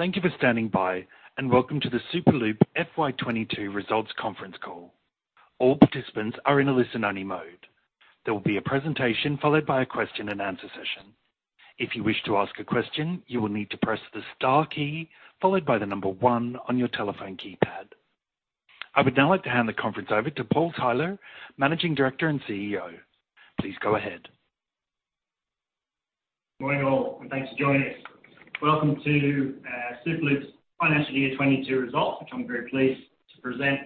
Thank you for standing by, and welcome to the Superloop FY 2022 results conference call. All participants are in a listen-only mode. There will be a presentation, followed by a question-and-answer session. If you wish to ask a question, you will need to press the star key followed by the number one on your telephone keypad. I would now like to hand the conference over to Paul Tyler, Managing Director and CEO. Please go ahead. Morning, all, and thanks for joining us. Welcome to Superloop's financial year 2022 results, which I'm very pleased to present.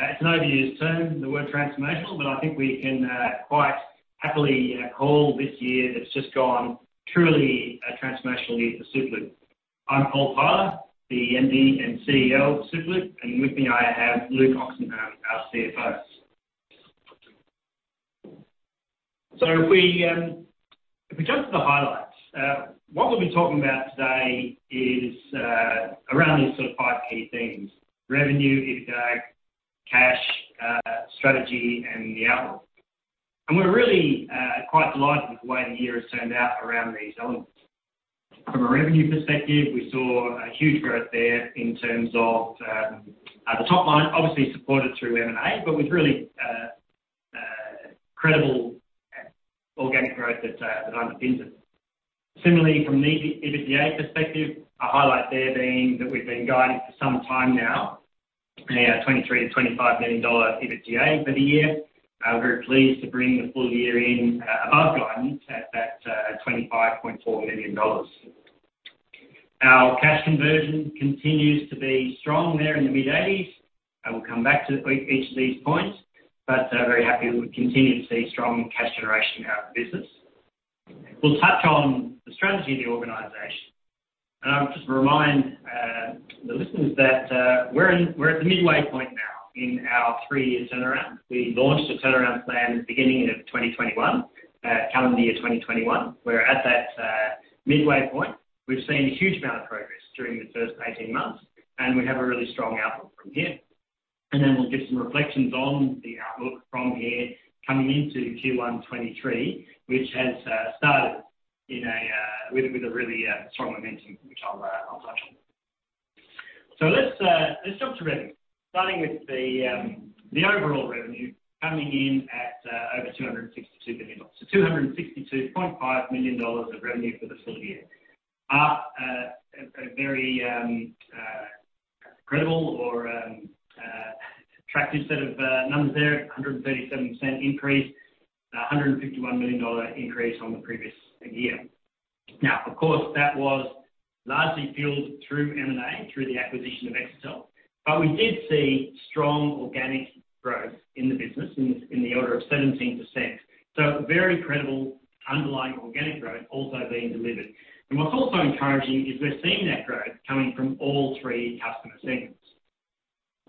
It's an overused term, the word transformational, but I think we can quite happily call this year that's just gone truly a transformational year for Superloop. I'm Paul Tyler, the MD and CEO of Superloop, and with me, I have Luke Oxenham, our CFO. If we go to the highlights, what we'll be talking about today is around these sort of five key themes, revenue, EBITDA, cash, strategy, and the outlook. We're really quite delighted with the way the year has turned out around these elements. From a revenue perspective, we saw a huge growth there in terms of the top line, obviously supported through M&A, but with really credible organic growth that underpins it. Similarly, from the EBITDA perspective, a highlight there being that we've been guiding for some time now in our 23 million-25 million dollar EBITDA for the year. We're pleased to bring the full year in above guidance at that 25.4 million dollars. Our cash conversion continues to be strong there in the mid-80s%, and we'll come back to each of these points, but very happy that we continue to see strong cash generation in our business. We'll touch on the strategy of the organization. I'll just remind the listeners that we're at the midway point now in our three-year turnaround. We launched the turnaround plan at the beginning of 2021, calendar year 2021. We're at that midway point. We've seen a huge amount of progress during the first 18 months, and we have a really strong outlook from here. We'll give some reflections on the outlook from here coming into Q1 2023, which has started with a really strong momentum, which I'll touch on. Let's jump to revenue. Starting with the overall revenue coming in at over 262 million dollars. 262.5 million dollars of revenue for the full year. A very credible or attractive set of numbers there, a 137% increase, a 151 million dollar increase on the previous year. Now, of course, that was largely fueled through M&A, through the acquisition of Exetel. We did see strong organic growth in the business in the order of 17%. Very credible underlying organic growth also being delivered. What's also encouraging is we're seeing that growth coming from all three customer segments.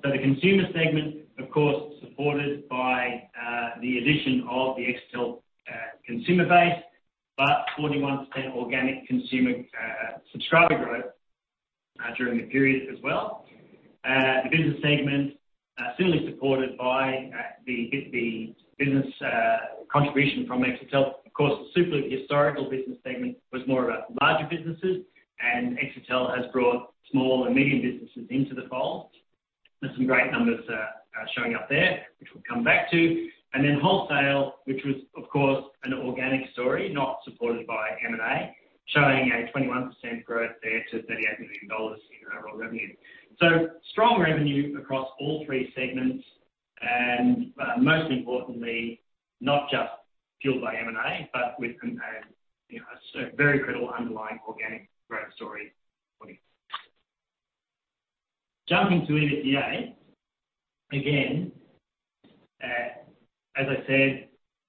The consumer segment, of course, supported by the addition of the Exetel consumer base, but 41% organic consumer subscriber growth during the period as well. The business segment similarly supported by the business contribution from Exetel. Of course, the Superloop historical business segment was more about larger businesses, and Exetel has brought small and medium businesses into the fold. There's some great numbers showing up there, which we'll come back to. Wholesale, which was, of course, an organic story, not supported by M&A, showing a 21% growth there to 38 million dollars in overall revenue. Strong revenue across all three segments, and most importantly, not just fueled by M&A, but with you know, a very credible underlying organic growth story for you. Jumping to EBITDA. Again, as I said,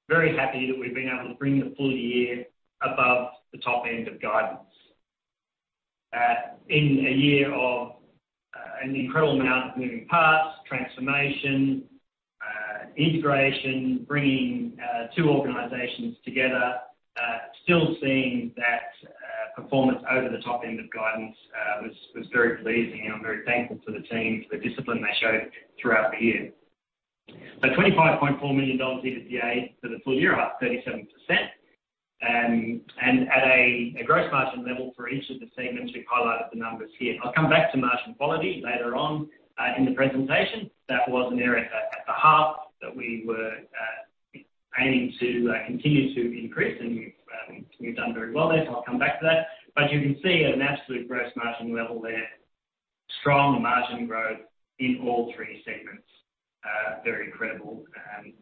very happy that we've been able to bring the full year above the top end of guidance. In a year of an incredible amount of moving parts, transformation, integration, bringing two organizations together, still seeing that performance over the top end of guidance was very pleasing, and I'm very thankful to the team for the discipline they showed throughout the year. 25.4 million dollars EBITDA for the full year, up 37%. At a gross margin level for each of the segments, we've highlighted the numbers here. I'll come back to margin quality later on in the presentation. That was an area at the half that we were aiming to continue to increase, and we've done very well there, so I'll come back to that. You can see at an absolute gross margin level there, strong margin growth in all three segments. Very credible and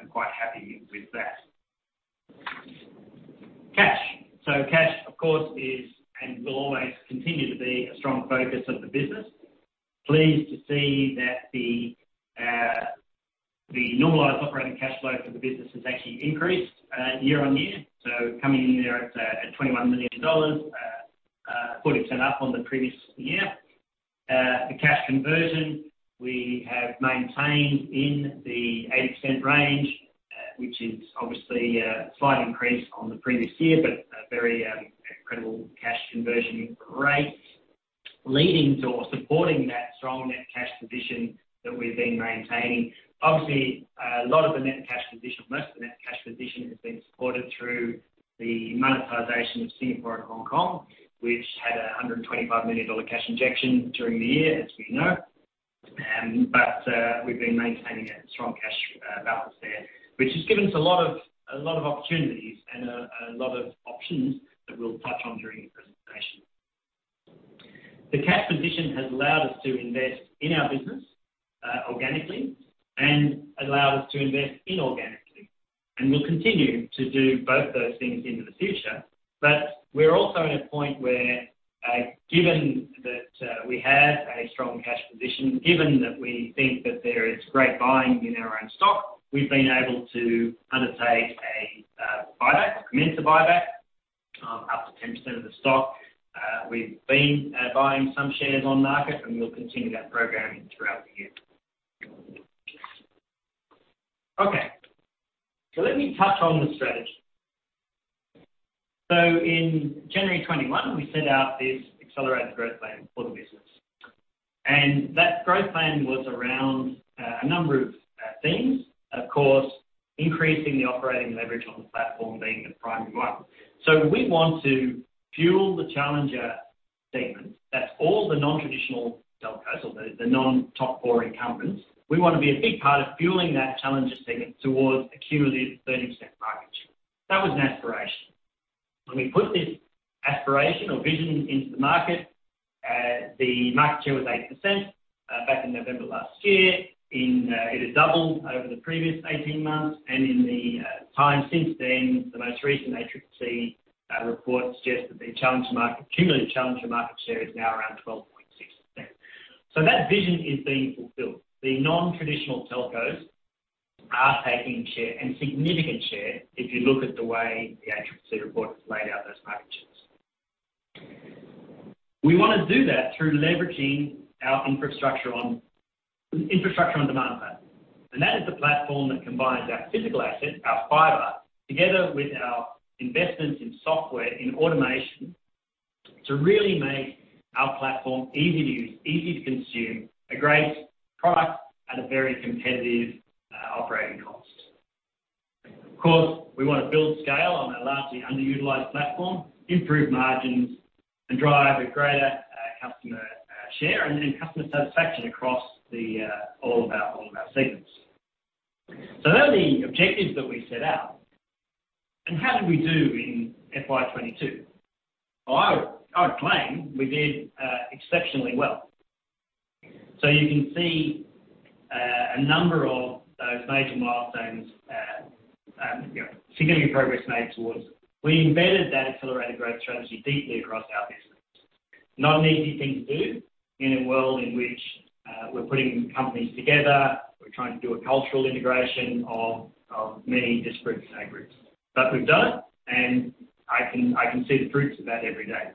I'm quite happy with that. Cash. Cash, of course, is and will always continue to be a strong focus of the business. Pleased to see that the normalized operating cash flow for the business has actually increased year-over-year. Coming in there at 21 million dollars, 14% up on the previous year. The cash conversion we have maintained in the 80% range, which is obviously a slight increase on the previous year, but a very credible cash conversion rate leading to or supporting that strong net cash position that we've been maintaining. Obviously, a lot of the net cash position, most of the net cash position has been supported through the monetization of Singapore and Hong Kong, which had 125 million dollar cash injection during the year, as we know. But we've been maintaining a strong cash balance there, which has given us a lot of opportunities and a lot of options that we'll touch on during the presentation. The cash position has allowed us to invest in our business organically, and allowed us to invest inorganically. We'll continue to do both those things into the future. We're also at a point where, given that, we have a strong cash position, given that we think that there is great buying in our own stock, we've been able to undertake a, buyback, commence a buyback of up to 10% of the stock. We've been, buying some shares on market, and we'll continue that program throughout the year. Okay, let me touch on the strategy. In January 2021, we set out this accelerated growth plan for the business. That growth plan was around a number of things. Of course, increasing the operating leverage on the platform being the primary one. We want to fuel the challenger segment. That's all the non-traditional telcos or the non-top four incumbents. We wanna be a big part of fueling that challenger segment towards accumulative 30% market share. That was an aspiration. When we put this aspiration or vision into the market, the market share was 8%, back in November last year. It had doubled over the previous 18 months, and in the time since then, the most recent ACCC report suggests that the challenger market cumulative challenger market share is now around 12.6%. That vision is being fulfilled. The non-traditional telcos are taking share and significant share if you look at the way the ACCC report has laid out those market shares. We wanna do that through leveraging our infrastructure on demand platform. That is the platform that combines our physical asset, our fiber, together with our investments in software, in automation, to really make our platform easy to use, easy to consume, a great product at a very competitive operating cost. Of course, we wanna build scale on a largely underutilized platform, improve margins, and drive a greater customer share and then customer satisfaction across all of our segments. They're the objectives that we set out. How did we do in FY 2022? Well, I would claim we did exceptionally well. You can see a number of those major milestones, significant progress made towards. We embedded that accelerated growth strategy deeply across our business. Not an easy thing to do in a world in which we're putting together. We're trying to do a cultural integration of many disparate subgroups. We've done it, and I can see the fruits of that every day.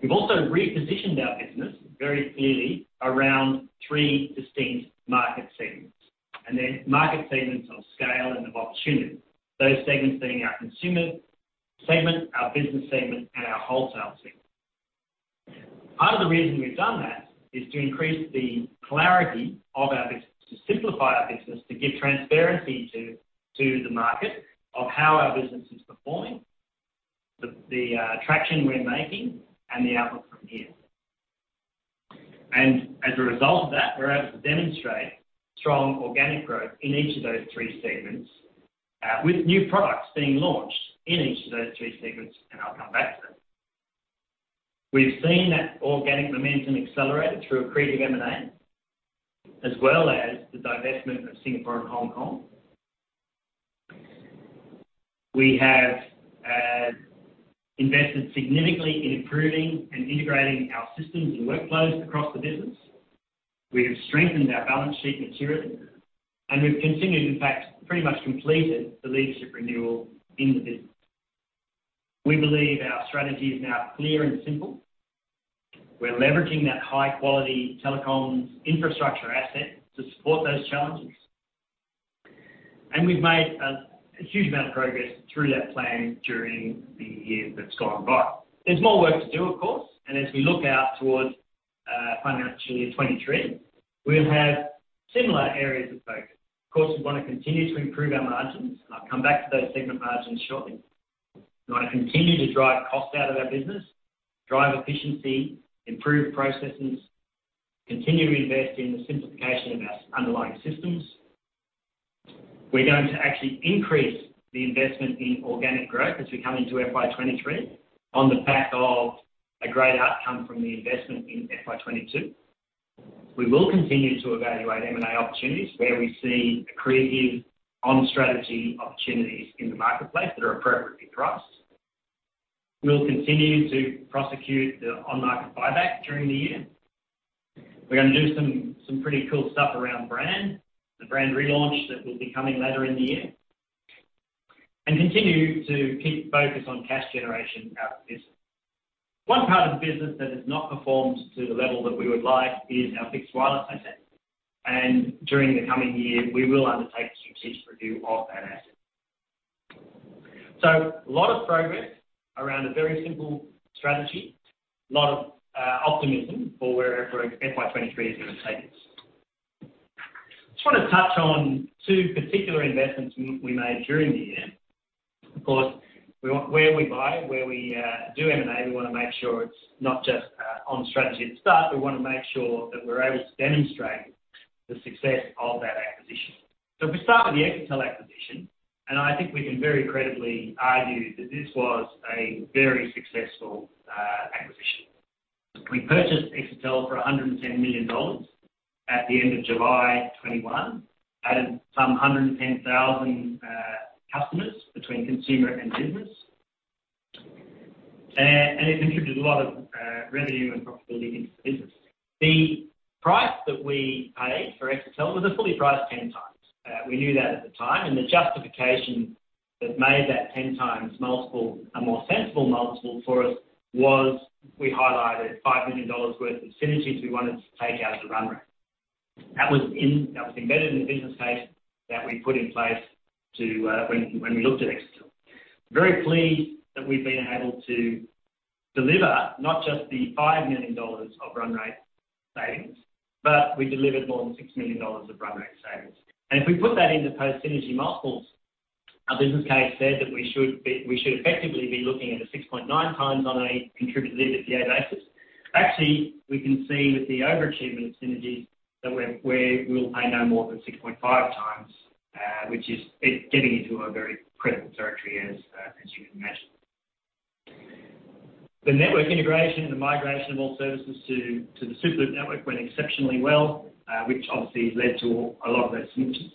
We've also repositioned our business very clearly around three distinct market segments, and they're market segments of scale and of opportunity. Those segments being our consumer segment, our business segment, and our wholesale segment. Part of the reason we've done that is to increase the clarity of our business, to simplify our business, to give transparency to the market of how our business is performing, traction we're making, and the outlook from here. As a result of that, we're able to demonstrate strong organic growth in each of those three segments, with new products being launched in each of those three segments, and I'll come back to that. We've seen that organic momentum accelerated through accretive M&A, as well as the divestment of Singapore and Hong Kong. We have invested significantly in improving and integrating our systems and workflows across the business. We have strengthened our balance sheet materially, and we've continued, in fact, pretty much completed the leadership renewal in the business. We believe our strategy is now clear and simple. We're leveraging that high-quality telecoms infrastructure asset to support those challenges. We've made a huge amount of progress through that plan during the year that's gone by. There's more work to do, of course. As we look out towards financial year 2023, we'll have similar areas of focus. Of course, we wanna continue to improve our margins. I'll come back to those segment margins shortly. We wanna continue to drive cost out of our business, drive efficiency, improve processes, continue to invest in the simplification of our underlying systems. We're going to actually increase the investment in organic growth as we come into FY 2023 on the back of a great outcome from the investment in FY 2022. We will continue to evaluate M&A opportunities where we see accretive on-strategy opportunities in the marketplace that are appropriate for us. We'll continue to prosecute the on-market buyback during the year. We're gonna do some pretty cool stuff around brand, the brand relaunch that will be coming later in the year. Continue to keep focus on cash generation out of the business. One part of the business that has not performed to the level that we would like is our fixed wireless asset. During the coming year, we will undertake a strategic review of that asset. A lot of progress around a very simple strategy, a lot of optimism for where FY 2023 is gonna take us. Just wanna touch on two particular investments we made during the year. Of course, where we buy, where we do M&A, we wanna make sure it's not just on strategy at the start, we wanna make sure that we're able to demonstrate the success of that acquisition. If we start with the Exetel acquisition, I think we can very credibly argue that this was a very successful acquisition. We purchased Exetel for 110 million dollars at the end of July 2021, added some 110,000 customers between consumer and business. It contributed a lot of revenue and profitability into the business. The price that we paid for Exetel was a fully priced 10x. We knew that at the time, and the justification that made that 10x multiple a more sensible multiple for us was we highlighted 5 million dollars worth of synergies we wanted to take out of the run rate. That was embedded in the business case that we put in place to, when we looked at Exetel. Very pleased that we've been able to deliver not just the 5 million dollars of run rate savings, but we delivered more than 6 million dollars of run rate savings. If we put that into post-synergy multiples, our business case said that we should effectively be looking at a 6.9x on a contributed EBITDA basis. Actually, we can see with the overachievement of synergies that we'll pay no more than 6.5x, which is getting into a very credible territory as you can imagine. The network integration, the migration of all services to the Superloop network went exceptionally well, which obviously has led to a lot of those synergies.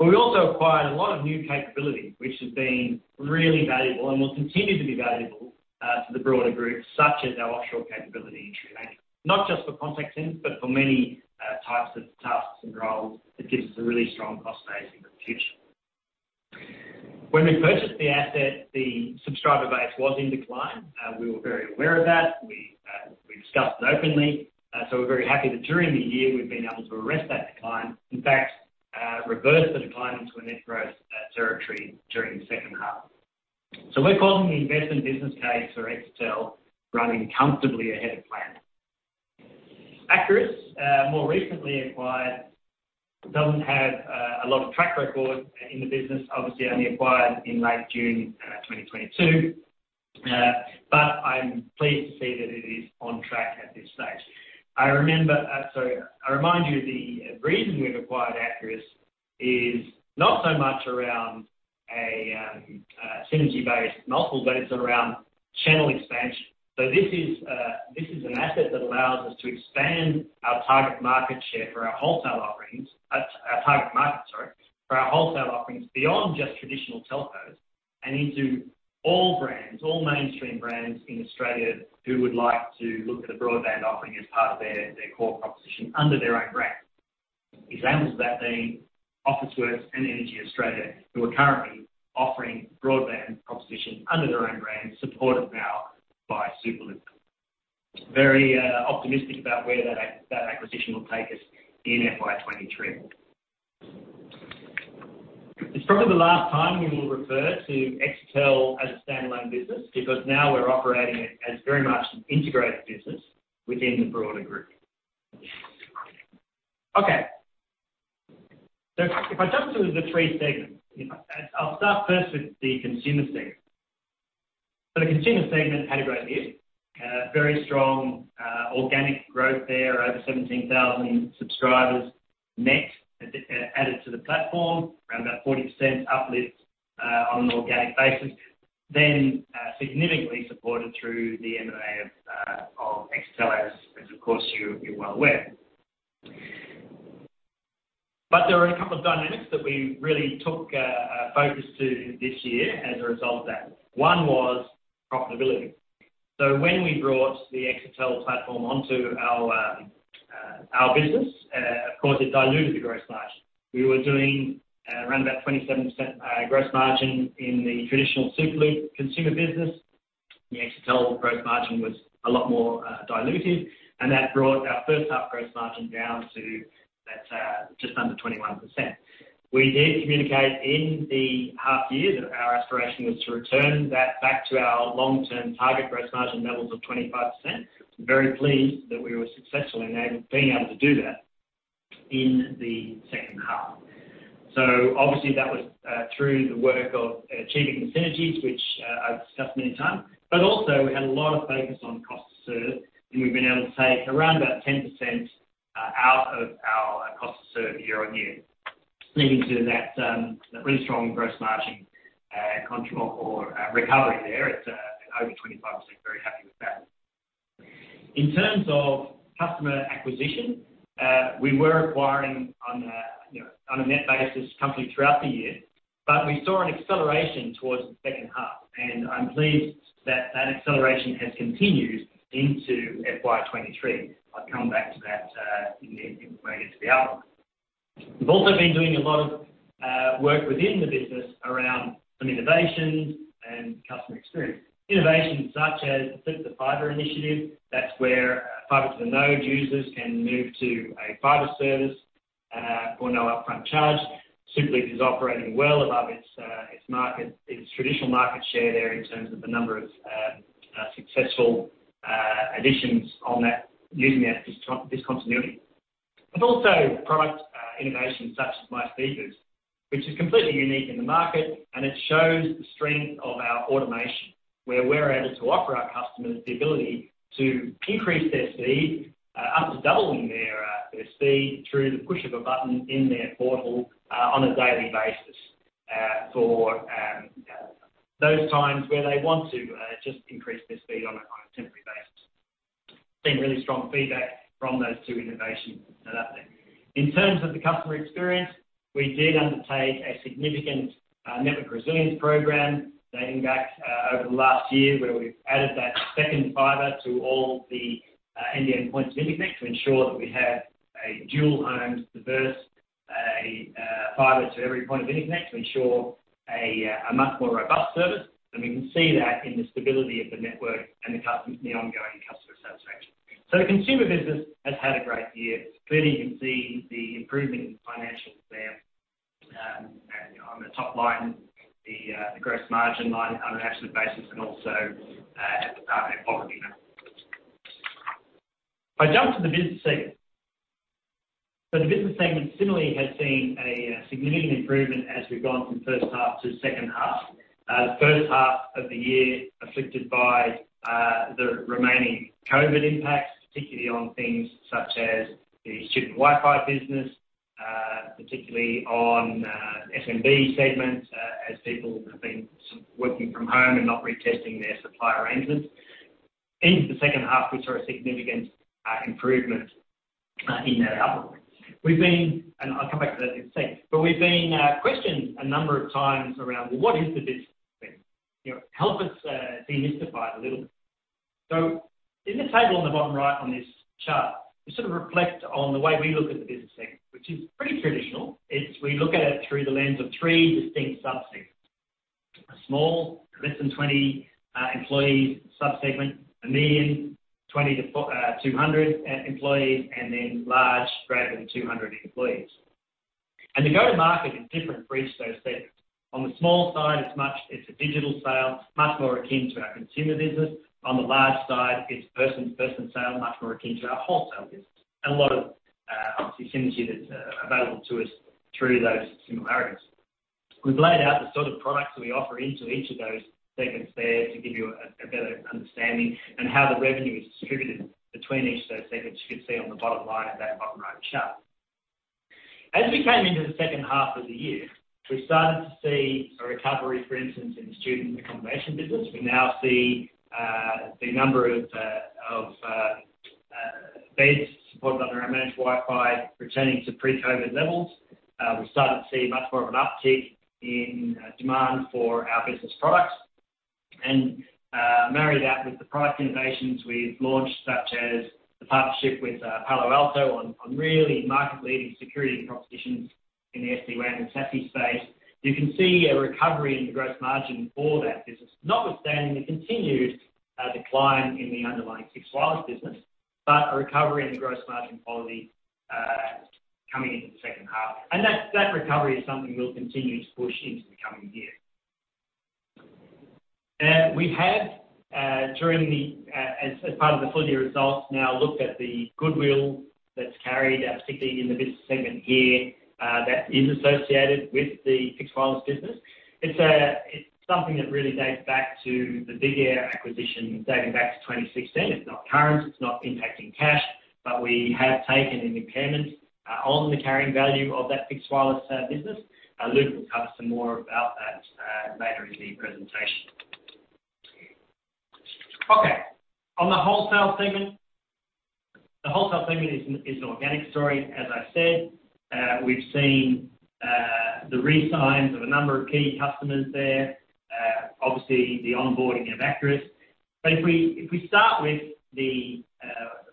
We also acquired a lot of new capability, which has been really valuable and will continue to be valuable to the broader group, such as our offshore capability in Sri Lanka. Not just for contact centers, but for many types of tasks and roles that gives us a really strong cost base into the future. When we purchased the asset, the subscriber base was in decline. We were very aware of that. We discussed it openly. We're very happy that during the year, we've been able to arrest that decline. In fact, reverse the decline into a net growth territory during the second half. We're calling the investment business case for Exetel running comfortably ahead of plan. Acurus, more recently acquired, doesn't have a lot of track record in the business, obviously only acquired in late June 2022. I'm pleased to see that it is on track at this stage. I remember, I remind you the reason we've acquired Acurus is not so much around a synergy-based multiple, but it's around channel expansion. This is an asset that allows us to expand our target market share for our wholesale offerings. Our target market, sorry, for our wholesale offerings beyond just traditional telcos and into all brands, all mainstream brands in Australia who would like to look at a broadband offering as part of their core proposition under their own brand. Examples of that being Officeworks and EnergyAustralia, who are currently offering broadband propos ition under their own brand, supported now by Superloop. Very optimistic about where that acquisition will take us in FY 2023. It's probably the last time we will refer to Exetel as a standalone business because now we're operating it as very much an integrated business within the broader group. Okay. If I jump to the three segments, I'll start first with the consumer segment. The consumer segment had a great year. Very strong organic growth there, over 17,000 subscribers net added to the platform. Around about 40% uplift on an organic basis. Significantly supported through the M&A of Exetel as of course you're well aware. There were a couple of dynamics that we really took a focus to this year as a result of that. One was profitability. When we brought the Exetel platform onto our business, of course, it diluted the gross margin. We were doing around about 27% gross margin in the traditional Superloop consumer business. The Exetel gross margin was a lot more diluted, and that brought our first half gross margin down to just under 21%. We did communicate in the half year that our aspiration was to return that back to our long-term target gross margin levels of 25%. Very pleased that we were being able to do that in the second half. Obviously, that was through the work of achieving the synergies, which I've discussed many a time. Also, we had a lot of focus on cost to serve, and we've been able to take around about 10% out of our cost to serve year-on-year, leading to that really strong gross margin control or recovery there at over 25%. Very happy with that. In terms of customer acquisition, we were acquiring on a, you know, on a net basis company throughout the year, but we saw an acceleration towards the second half, and I'm pleased that that acceleration has continued into FY 2023. I'll come back to that when we get to the outlook. We've also been doing a lot of work within the business around some innovations and customer experience. Innovations such as the Flip to Fiber initiative. That's where fiber to the node users can move to a fiber service or no upfront charge. Superloop is operating well above its traditional market share there in terms of the number of successful additions on that using that discontinuity. Also product innovation such as My Speed Boost, which is completely unique in the market, and it shows the strength of our automation, where we're able to offer our customers the ability to increase their speed up to doubling their speed through the push of a button in their portal on a daily basis for those times where they want to just increase their speed on a temporary basis. Seen really strong feedback from those two innovations to that thing. In terms of the customer experience, we did undertake a significant network resilience program dating back over the last year, where we've added that second fiber to all the NBN points of interconnect to ensure that we have a dual home diverse fiber to every point of interconnect to ensure a much more robust service. We can see that in the stability of the network and the ongoing customer satisfaction. The consumer business has had a great year. Clearly, you can see the improvement in financials there, and on the top line, the gross margin line on an absolute basis, and also at the bottom line. If I jump to the business segment. The business segment similarly has seen a significant improvement as we've gone from first half to second half. The first half of the year afflicted by the remaining COVID impacts, particularly on things such as the student Wi-Fi business, particularly on SMB segments, as people have been working from home and not retesting their supplier engines. Into the second half, we saw a significant improvement in that output. I'll come back to that in a sec. We've been questioned a number of times around, what is the business segment? You know, help us, demystify it a little bit. In the table on the bottom right on this chart, we sort of reflect on the way we look at the business segment, which is pretty traditional. We look at it through the lens of three distinct sub-segments. A small, less than 20 employees sub-segment, a medium, 20 to 200 employees, and then large, greater than 200 employees. The go-to-market is different for each of those segments. On the small side, it's a digital sale, much more akin to our consumer business. On the large side, it's person-person sale, much more akin to our wholesale business. A lot of obviously synergy that's available to us through those similarities. We've laid out the sort of products that we offer into each of those segments there to give you a better understanding and how the revenue is distributed between each of those segments. You can see on the bottom line of that bottom right chart. As we came into the second half of the year, we started to see a recovery, for instance, in student accommodation business. We now see the number of beds supported under our managed Wi-Fi returning to pre-COVID levels. We started to see much more of an uptick in demand for our business products. Married that with the product innovations we've launched, such as the partnership with Palo Alto on really market-leading security propositions in the SD-WAN and SASE space. You can see a recovery in the gross margin for that business, notwithstanding the continued decline in the underlying fixed wireless business, but a recovery in the gross margin quality coming into the second half. That recovery is something we'll continue to push into the coming year. We've had during the as part of the full year results now looked at the goodwill that's carried particularly in the business segment here that is associated with the fixed wireless business. It's something that really dates back to the BigAir acquisition dating back to 2016. It's not current, it's not impacting cash, but we have taken an impairment on the carrying value of that fixed wireless business. Luke will cover some more about that later in the presentation. Okay, on the wholesale segment. The wholesale segment is an organic story. As I said, we've seen the re-signs of a number of key customers there, obviously the onboarding of Acurus. If we start with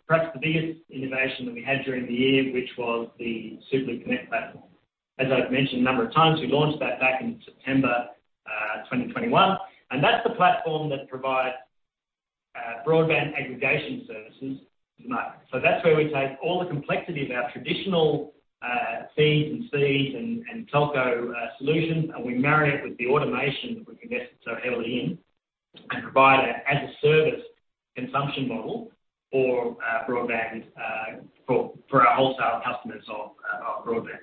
perhaps the biggest innovation that we had during the year, which was the Superloop Connect platform. As I've mentioned a number of times, we launched that back in September 2021, and that's the platform that provides broadband aggregation services to market. That's where we take all the complexity of our traditional fees and speeds and telco solutions, and we marry it with the automation that we've invested so heavily in and provide an as-a-service consumption model for broadband for our wholesale customers of our broadband.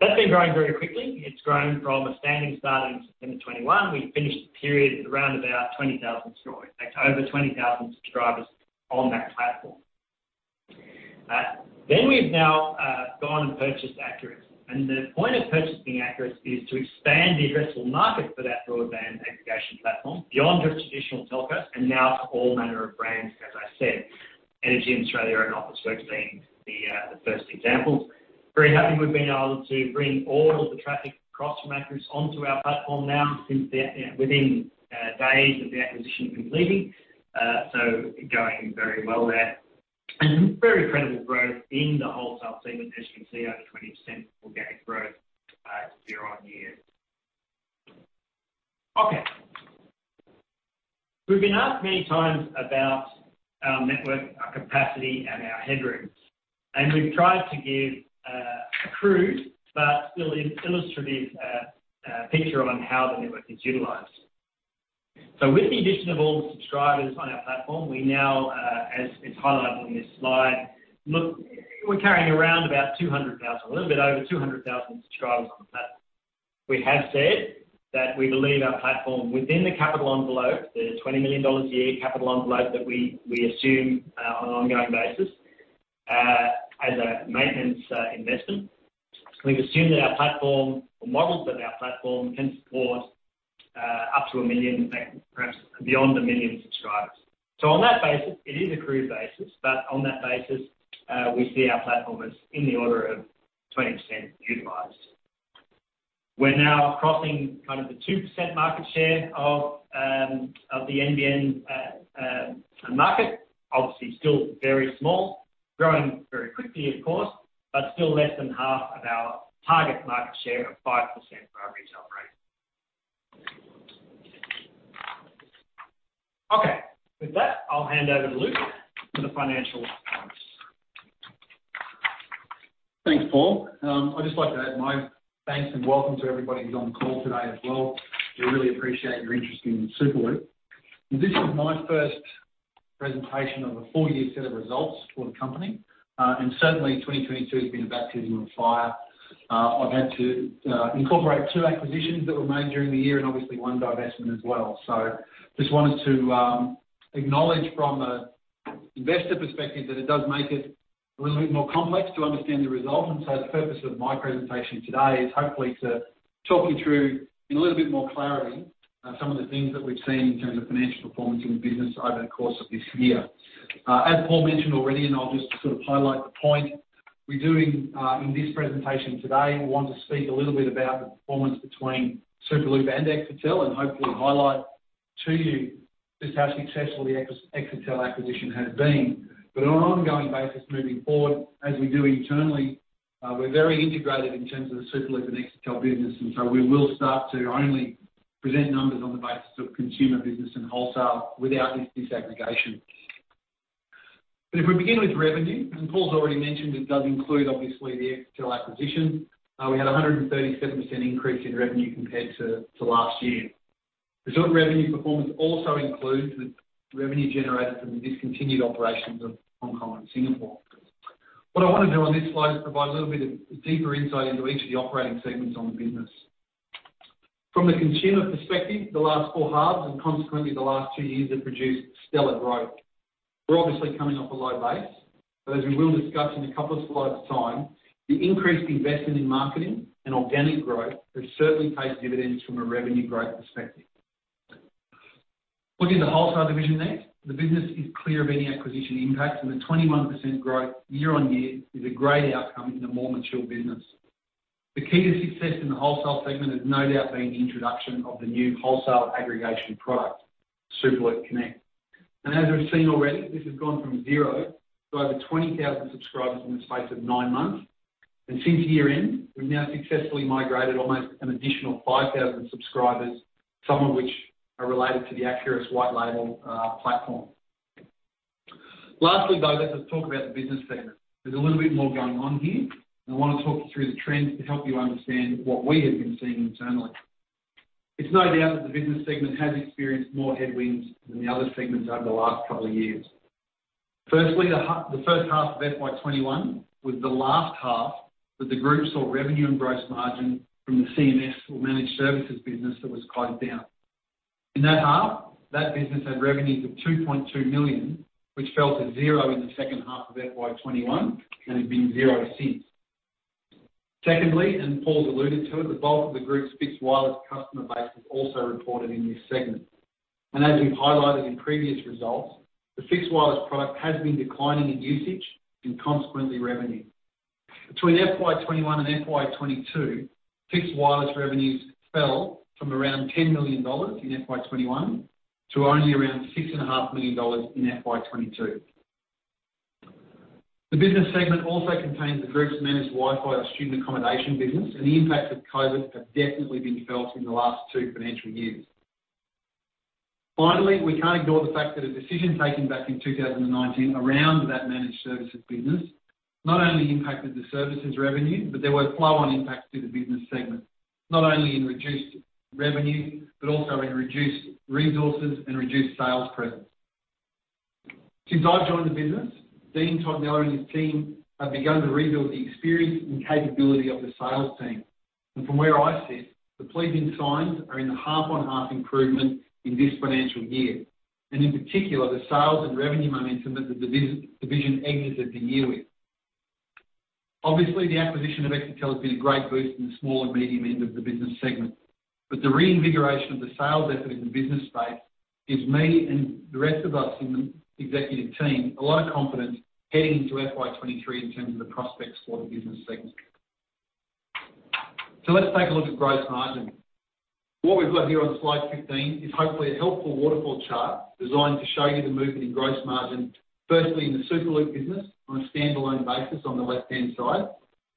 That's been growing very quickly. It's grown from a standing start in September 2021. We finished the period at around about 20,000 subscribers. In fact, over 20,000 subscribers on that platform. We've now gone and purchased Acurus. The point of purchasing Acurus is to expand the addressable market for that broadband aggregation platform beyond just traditional telcos, and now to all manner of brands, as I said. EnergyAustralia and Officeworks being the first examples. Very happy we've been able to bring all of the traffic across from Acurus onto our platform now since within days of the acquisition completing. Going very well there. Very credible growth in the wholesale segment, as you can see, over 20% organic growth year-on-year. Okay. We've been asked many times about our network, our capacity, and our headroom, and we've tried to give a crude but still illustrative picture on how the network is utilized. With the addition of all the subscribers on our platform, we now, as is highlighted on this slide, We're carrying around about 200,000, a little bit over 200,000 subscribers on the platform. We have said that we believe our platform within the capital envelope, the 20 million dollars a year capital envelope that we assume on an ongoing basis, as a maintenance investment. We've assumed that our platform, or modeled that our platform can support up to 1 million, perhaps beyond 1 million subscribers. On that basis, it is a crude basis, but on that basis, we see our platform as in the order of 20% utilized. We're now crossing kind of the 2% market share of the NBN market, obviously still very small, growing very quickly, of course, but still less than half of our target market share of 5% for our retail price. Okay. With that, I'll hand over to Luke for the financials. Thanks, Paul. I'd just like to add my thanks and welcome to everybody who's on the call today as well. We really appreciate your interest in Superloop. This is my first presentation of a full year set of results for the company, and certainly, 2022 has been a baptism of fire. I've had to incorporate two acquisitions that were made during the year and obviously one divestment as well. Just wanted to acknowledge from an investor perspective that it does make it a little bit more complex to understand the results. The purpose of my presentation today is hopefully to talk you through in a little bit more clarity, some of the things that we've seen in terms of financial performance in the business over the course of this year. As Paul mentioned already, and I'll just sort of highlight the point, we do in this presentation today want to speak a little bit about the performance between Superloop and Exetel and hopefully highlight to you just how successful the Exetel acquisition has been. On an ongoing basis moving forward, as we do internally, we're very integrated in terms of the Superloop and Exetel business, and so we will start to only present numbers on the basis of consumer business and wholesale without this disaggregation. If we begin with revenue, as Paul's already mentioned, it does include, obviously, the Exetel acquisition. We had a 137% increase in revenue compared to last year. The total revenue performance also includes the revenue generated from the discontinued operations of Hong Kong and Singapore. What I wanna do on this slide is provide a little bit of deeper insight into each of the operating segments on the business. From the consumer perspective, the last four halves, and consequently the last two years, have produced stellar growth. We're obviously coming off a low base, but as we will discuss in a couple of slides' time, the increased investment in marketing and organic growth have certainly paid dividends from a revenue growth perspective. Looking at the wholesale division next, the business is clear of any acquisition impacts, and the 21% growth year-on-year is a great outcome in a more mature business. The key to success in the wholesale segment has no doubt been the introduction of the new wholesale aggregation product, Superloop Connect. As we've seen already, this has gone from zero to over 20,000 subscribers in the space of nine months. Since year-end, we've now successfully migrated almost an additional 5,000 subscribers, some of which are related to the Acurus white label platform. Lastly, though, let us talk about the business segment. There's a little bit more going on here. I wanna talk you through the trends to help you understand what we have been seeing internally. It's no doubt that the business segment has experienced more headwinds than the other segments over the last couple of years. Firstly, the first half of FY 2021 was the last half that the group saw revenue and gross margin from the CMS or managed services business that was closed down. In that half, that business had revenues of 2.2 million, which fell to zero in the second half of FY 2021 and has been zero since. Secondly, and Paul's alluded to it, the bulk of the group's fixed wireless customer base was also reported in this segment. As we've highlighted in previous results, the fixed wireless product has been declining in usage and consequently revenue. Between FY 2021 and FY 2022, fixed wireless revenues fell from around 10 million dollars in FY 2021 to only around 6.5 million dollars in FY 2022. The business segment also contains the group's managed Wi-Fi student accommodation business, and the impacts of COVID have definitely been felt in the last two financial years. Finally, we can't ignore the fact that a decision taken back in 2019 around that managed services business not only impacted the services revenue, but there were flow-on impacts to the business segment, not only in reduced revenue, but also in reduced resources and reduced sales presence. Since I've joined the business, Dean Tognella and his team have begun to rebuild the experience and capability of the sales team. From where I sit, the pleasing signs are in the half-on-half improvement in this financial year, and in particular, the sales and revenue momentum that the division exits the year with. Obviously, the acquisition of Exetel has been a great boost in the small and medium end of the business segment, but the reinvigoration of the sales effort in the business space gives me and the rest of us in the executive team a lot of confidence heading into FY 2023 in terms of the prospects for the business segment. Let's take a look at gross margin. What we've got here on slide 15 is hopefully a helpful waterfall chart designed to show you the movement in gross margin, firstly in the Superloop business on a standalone basis on the left-hand side.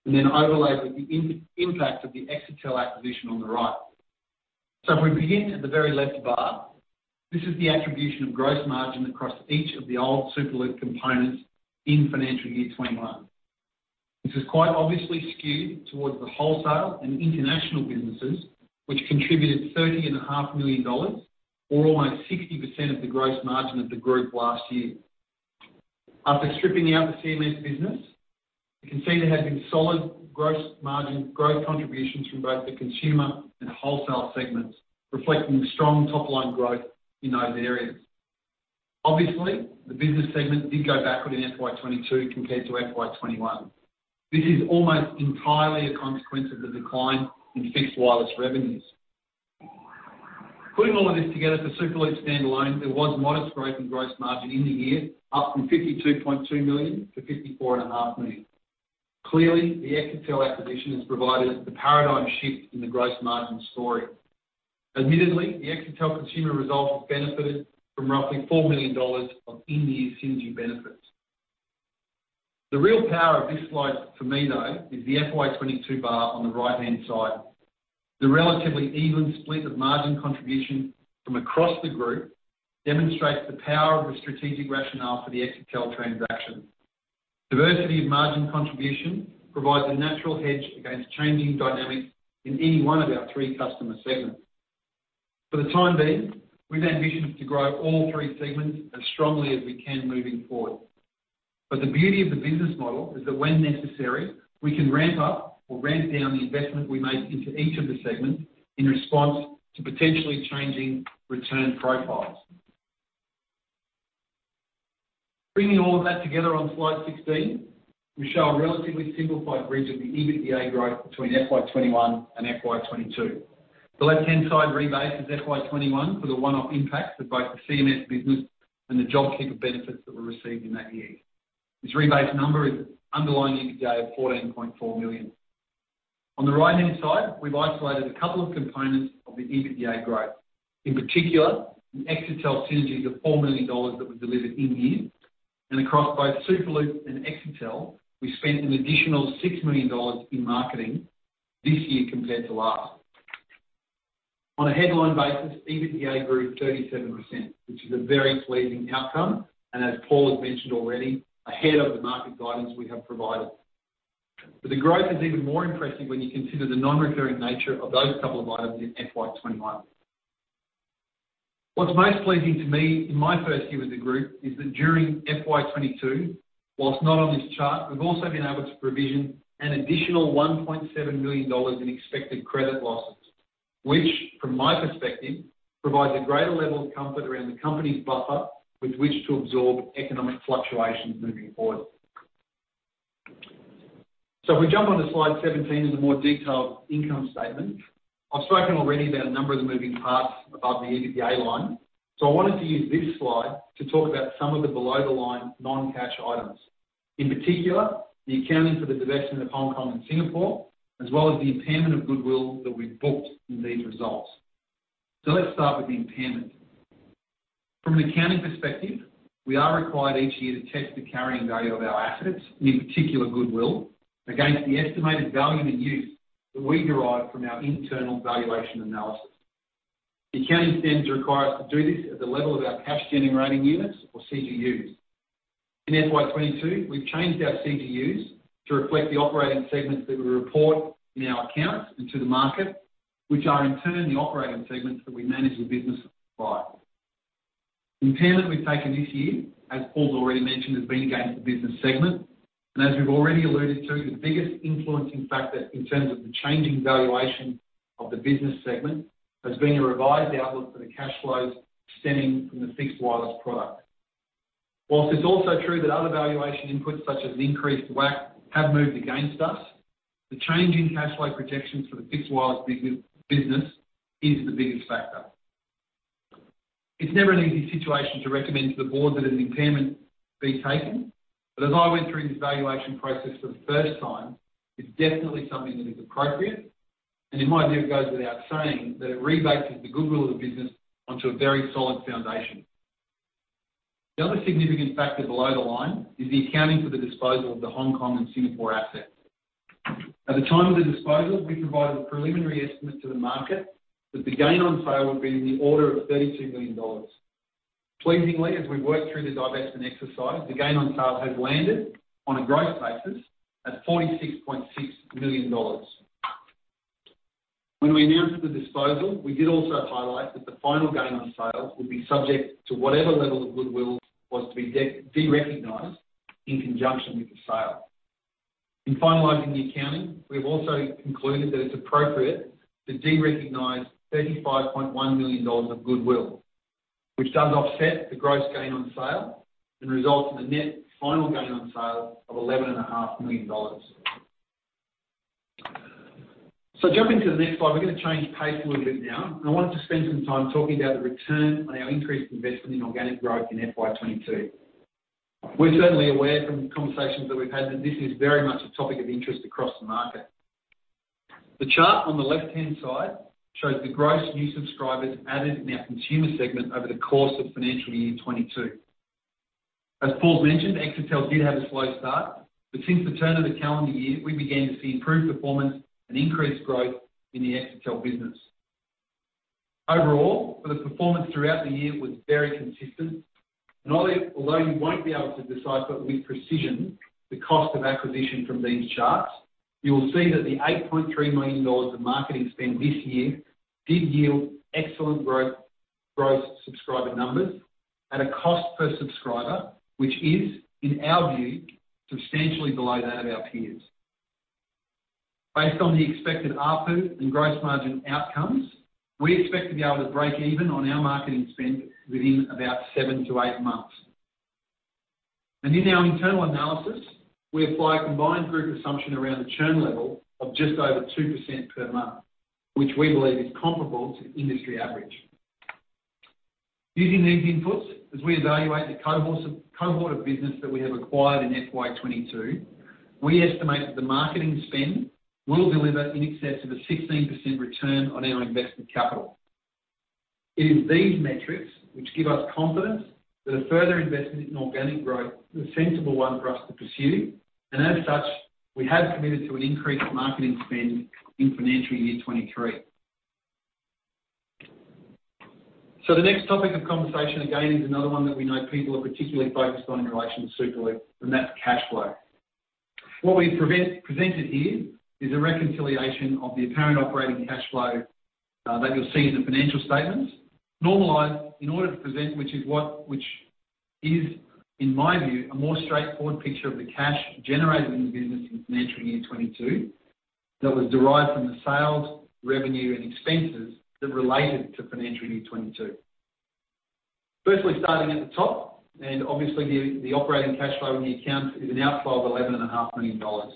Then overlay with the impact of the Exetel acquisition on the right. If we begin at the very left bar, this is the attribution of gross margin across each of the old Superloop components in financial year 2021. This is quite obviously skewed towards the wholesale and international businesses, which contributed 30.5 million dollars, or almost 60% of the gross margin of the group last year. After stripping out the CMS business, you can see there has been solid gross margin growth contributions from both the consumer and wholesale segments, reflecting strong top-line growth in those areas. Obviously, the business segment did go backward in FY 2022 compared to FY 2021. This is almost entirely a consequence of the decline in fixed wireless revenues. Putting all of this together for Superloop standalone, there was modest growth in gross margin in the year, up from 52.2 million to 54.5 million. Clearly, the Exetel acquisition has provided the paradigm shift in the gross margin story. Admittedly, the Exetel consumer result benefited from roughly 4 million dollars of in-year synergy benefits. The real power of this slide for me, though, is the FY 2022 bar on the right-hand side. The relatively even split of margin contribution from across the group demonstrates the power of the strategic rationale for the Exetel transaction. Diversity of margin contribution provides a natural hedge against changing dynamics in any one of our three customer segments. For the time being, we've ambitions to grow all three segments as strongly as we can moving forward. But the beauty of the business model is that when necessary, we can ramp up or ramp down the investment we make into each of the segments in response to potentially changing return profiles. Bringing all of that together on slide 16, we show a relatively simplified bridge of the EBITDA growth between FY 2021 and FY 2022. The left-hand side rebase is FY 2021 for the one-off impacts of both the CMS business and the JobKeeper benefits that were received in that year. This rebase number is underlying EBITDA of 14.4 million. On the right-hand side, we've isolated a couple of components of the EBITDA growth. In particular, in Exetel synergies of 4 million dollars that were delivered in-year and across both Superloop and Exetel, we spent an additional 6 million dollars in marketing this year compared to last. On a headline basis, EBITDA grew 37%, which is a very pleasing outcome, and as Paul has mentioned already, ahead of the market guidance we have provided. The growth is even more impressive when you consider the non-recurring nature of those couple of items in FY 2021. What's most pleasing to me in my first year with the group is that during FY 2022, while not on this chart, we've also been able to provision an additional 1.7 million dollars in expected credit losses, which from my perspective, provides a greater level of comfort around the company's buffer with which to absorb economic fluctuations moving forward. If we jump onto slide 17 is a more detailed income statement. I've spoken already about a number of the moving parts above the EBITDA line, so I wanted to use this slide to talk about some of the below-the-line non-cash items. In particular, the accounting for the divestment of Hong Kong and Singapore, as well as the impairment of goodwill that we've booked in these results. Let's start with the impairment. From an accounting perspective, we are required each year to test the carrying value of our assets, in particular goodwill, against the estimated value in use that we derive from our internal valuation analysis. The accounting standards require us to do this at the level of our cash-generating units or CGUs. In FY 2022, we've changed our CGUs to reflect the operating segments that we report in our accounts and to the market, which are in turn the operating segments that we manage the business by. The impairment we've taken this year, as Paul's already mentioned, has been against the business segment. As we've already alluded to, the biggest influencing factor in terms of the changing valuation of the business segment has been a revised outlook for the cash flows stemming from the fixed wireless product. While it's also true that other valuation inputs such as increased WACC have moved against us, the change in cash flow projections for the fixed wireless business is the biggest factor. It's never an easy situation to recommend to the board that an impairment be taken, but as I went through this valuation process for the first time, it's definitely something that is appropriate, and in my view, it goes without saying that it rebases the goodwill of the business onto a very solid foundation. The other significant factor below the line is the accounting for the disposal of the Hong Kong and Singapore assets. At the time of the disposal, we provided a preliminary estimate to the market that the gain on sale would be in the order of 32 million dollars. Pleasingly, as we worked through the divestment exercise, the gain on sale has landed on a gross basis at 46.6 million dollars. When we announced the disposal, we did also highlight that the final gain on sale would be subject to whatever level of goodwill was to be derecognized in conjunction with the sale. In finalizing the accounting, we have also concluded that it's appropriate to derecognize 35.1 million dollars of goodwill, which does offset the gross gain on sale and results in a net final gain on sale of 11.5 million dollars. Jumping to the next slide, we're gonna change pace a little bit now. I wanted to spend some time talking about the return on our increased investment in organic growth in FY 2022. We're certainly aware from conversations that we've had that this is very much a topic of interest across the market. The chart on the left-hand side shows the gross new subscribers added in our consumer segment over the course of financial year 2022. As Paul mentioned, Exetel did have a slow start, but since the turn of the calendar year, we began to see improved performance and increased growth in the Exetel business. Overall, the performance throughout the year was very consistent, and although you won't be able to decipher with precision the cost of acquisition from these charts, you will see that the 8.3 million dollars of marketing spend this year did yield excellent growth subscriber numbers at a cost per subscriber, which is, in our view, substantially below that of our peers. Based on the expected ARPU and gross margin outcomes, we expect to be able to break even on our marketing spend within about seven to eight months. In our internal analysis, we apply a combined group assumption around the churn level of just over 2% per month, which we believe is comparable to industry average. Using these inputs, as we evaluate the cohort of business that we have acquired in FY 2022, we estimate that the marketing spend will deliver in excess of a 16% return on our invested capital. It is these metrics which give us confidence that a further investment in organic growth is a sensible one for us to pursue, and as such, we have committed to an increased marketing spend in financial year 2023. The next topic of conversation, again, is another one that we know people are particularly focused on in relation to Superloop, and that's cash flow. What we've presented here is a reconciliation of the apparent operating cash flow that you'll see in the financial statements, normalized in order to present, which is, in my view, a more straightforward picture of the cash generated in the business in financial year 2022 that was derived from the sales, revenue, and expenses that related to financial year 2022. Firstly, starting at the top, and obviously, the operating cash flow in the accounts is an outflow of 11.5 million dollars.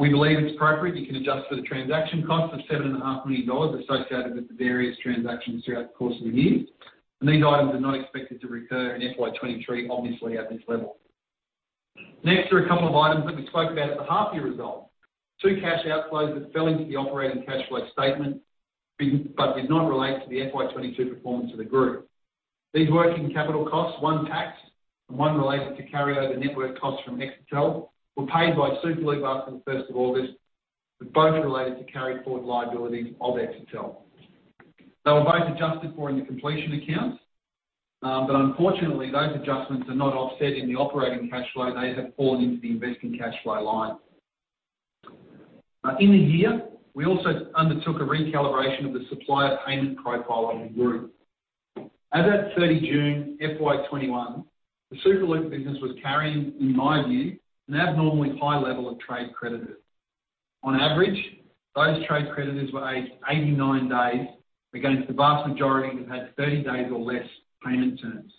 We believe it's appropriate to adjust for the transaction cost of 7.5 million dollars associated with the various transactions throughout the course of the year. These items are not expected to recur in FY 2023, obviously, at this level. Next are a couple of items that we spoke about at the half-year result. Two cash outflows that fell into the operating cash flow statement but did not relate to the FY 2022 performance of the group. These working capital costs, one tax and one related to carryover network costs from Exetel, were paid by Superloop after the first of August, but both related to carry forward liabilities of Exetel. They were both adjusted for in the completion accounts, but unfortunately, those adjustments are not offset in the operating cash flow. They have fallen into the investing cash flow line. In the year, we also undertook a recalibration of the supplier payment profile of the group. As at 30 June FY 2021, the Superloop business was carrying, in my view, an abnormally high level of trade creditors. On average, those trade creditors were aged 89 days against the vast majority who had 30 days or less payment terms.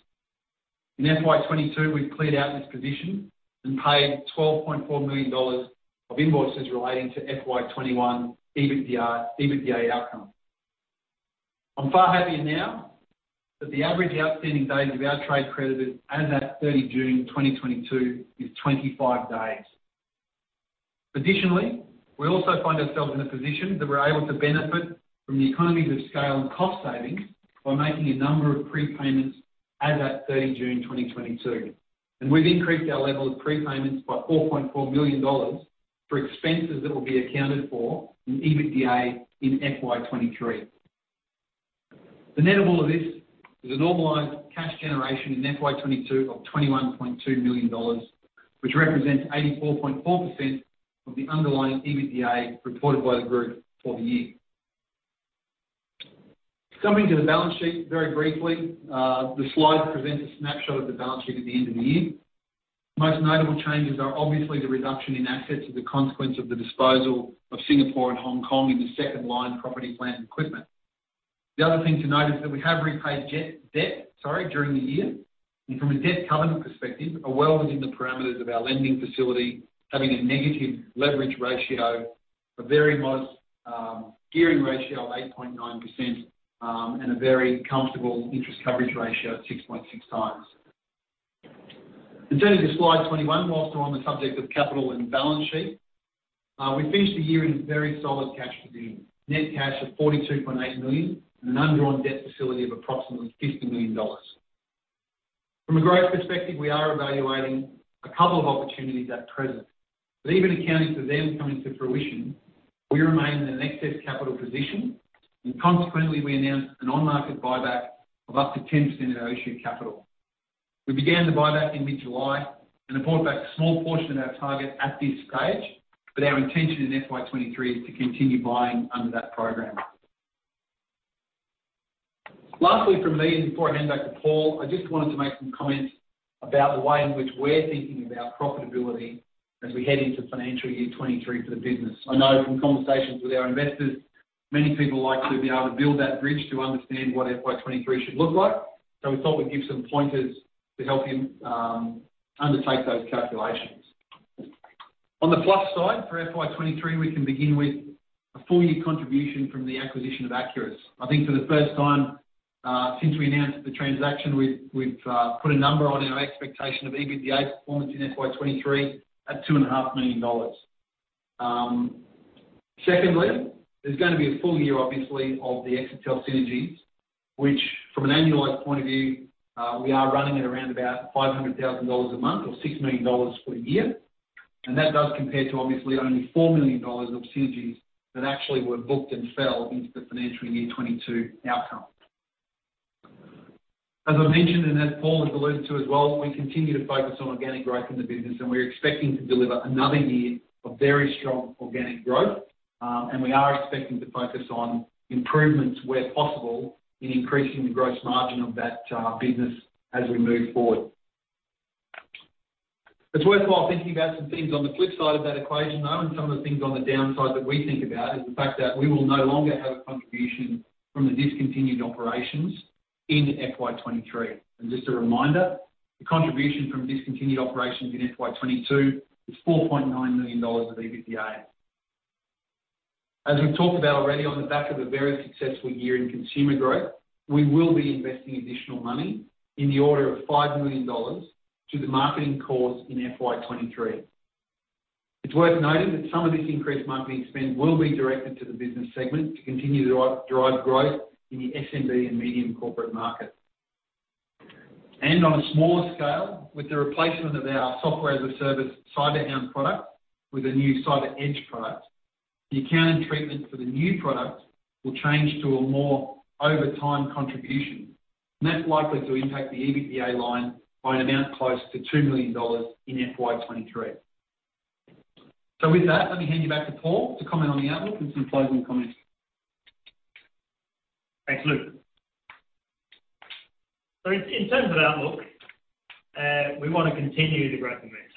In FY 2022, we've cleared out this position and paid 12.4 million dollars of invoices relating to FY 2021 EBITDA outcome. I'm far happier now that the average outstanding days of our trade creditors as at 30 June 2022 is 25 days. Additionally, we also find ourselves in a position that we're able to benefit from the economies of scale and cost savings by making a number of prepayments as at 30 June 2022. We've increased our level of prepayments by 4.4 million dollars for expenses that will be accounted for in EBITDA in FY 2023. The net of all of this is a normalized cash generation in FY 2022 of 21.2 million dollars, which represents 84.4% of the underlying EBITDA reported by the group for the year. Coming to the balance sheet very briefly, this slide presents a snapshot of the balance sheet at the end of the year. Most notable changes are obviously the reduction in assets as a consequence of the disposal of Singapore and Hong Kong in the second line, property, plant, and equipment. The other thing to note is that we have repaid debt during the year. From a debt covenant perspective, are well within the parameters of our lending facility, having a negative leverage ratio, a very modest gearing ratio of 8.9%, and a very comfortable interest coverage ratio of 6.6x. Turning to slide 21, while we're on the subject of capital and balance sheet, we finished the year in a very solid cash position. Net cash of 42.8 million and an undrawn debt facility of approximately 50 million dollars. From a growth perspective, we are evaluating a couple of opportunities at present. Even accounting for them coming to fruition, we remain in an excess capital position, and consequently, we announced an on-market buyback of up to 10% of our issued capital. We began the buyback in mid-July and have bought back a small portion of our target at this stage, but our intention in FY 2023 is to continue buying under that program. Lastly from me, before I hand back to Paul, I just wanted to make some comments about the way in which we're thinking about profitability as we head into financial year 2023 for the business. I know from conversations with our investors, many people like to be able to build that bridge to understand what FY 2023 should look like. We thought we'd give some pointers to help you undertake those calculations. On the plus side, for FY 2023, we can begin with a full-year contribution from the acquisition of Acurus. I think for the first time since we announced the transaction, we've put a number on our expectation of EBITDA performance in FY 2023 at 2.5 million dollars. Secondly, there's gonna be a full year obviously of the Exetel synergies, which from an annualized point of view, we are running at around about 500,000 dollars a month or 6 million dollars for the year. That does compare to obviously only 4 million dollars of synergies that actually were booked and fell into the financial year 2022 outcome. As I mentioned, and as Paul has alluded to as well, we continue to focus on organic growth in the business, and we're expecting to deliver another year of very strong organic growth. We are expecting to focus on improvements where possible in increasing the gross margin of that business as we move forward. It's worthwhile thinking about some things on the flip side of that equation, though, and some of the things on the downside that we think about is the fact that we will no longer have a contribution from the discontinued operations in FY 2023. Just a reminder, the contribution from discontinued operations in FY 2022 is 4.9 million dollars of EBITDA. As we've talked about already on the back of a very successful year in consumer growth, we will be investing additional money in the order of 5 million dollars to the marketing cause in FY 2023. It's worth noting that some of this increased marketing spend will be directed to the business segment to continue to drive growth in the SMB and medium corporate market. On a smaller scale, with the replacement of our software as a service, CyberHound product with a new CyberEdge product, the accounting treatment for the new product will change to a more over time contribution. That's likely to impact the EBITDA line by an amount close to 2 million dollars in FY 2023. With that, let me hand you back to Paul to comment on the outlook and some closing comments. Thanks, Luke. In terms of outlook, we wanna continue the growth momentum,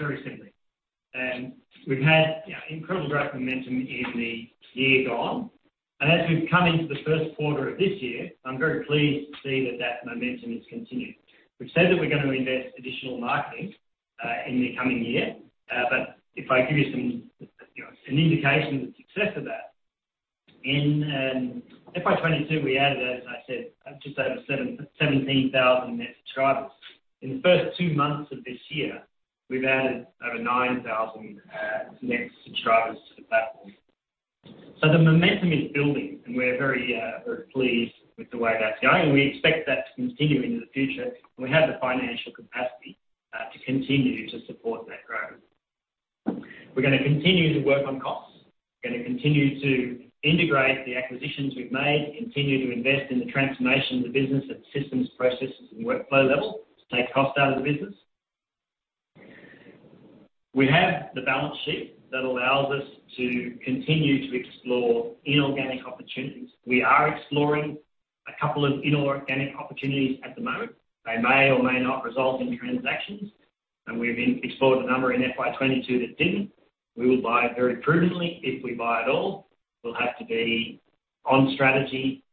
very simply. We've had, you know, incredible growth momentum in the year gone. As we've come into the first quarter of this year, I'm very pleased to see that that momentum is continued. We've said that we're gonna invest additional marketing in the coming year. If I give you some, you know, an indication of the success of that. In FY 2022, we added, as I said, just over 17,000 net subscribers. In the first two months of this year, we've added over 9,000 net subscribers to the platform. The momentum is building, and we're very, very pleased with the way that's going. We expect that to continue into the future, and we have the financial capacity to continue to support that growth. We're gonna continue to work on costs. We're gonna continue to integrate the acquisitions we've made, continue to invest in the transformation of the business at systems, processes, and workflow level to take cost out of the business. We have the balance sheet that allows us to continue to explore inorganic opportunities. We are exploring a couple of inorganic opportunities at the moment. They may or may not result in transactions, and we've explored a number in FY 2022 that didn't. We will buy very prudently, if we buy at all. We'll have to be on strategy,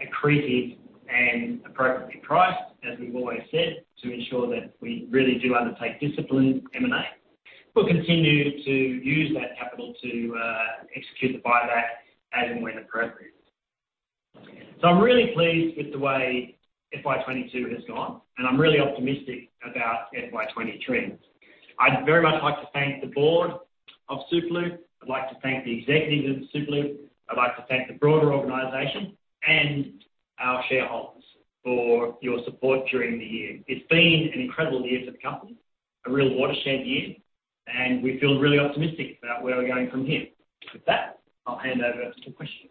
accretive, and appropriately priced, as we've always said, to ensure that we really do undertake disciplined M&A. We'll continue to use that capital to execute the buyback as and when appropriate. I'm really pleased with the way FY 2022 has gone, and I'm really optimistic about FY 2023. I'd very much like to thank the board of Superloop. I'd like to thank the executives of Superloop. I'd like to thank the broader organization and our shareholders for your support during the year. It's been an incredible year for the company, a real watershed year, and we feel really optimistic about where we're going from here. With that, I'll hand over to questions.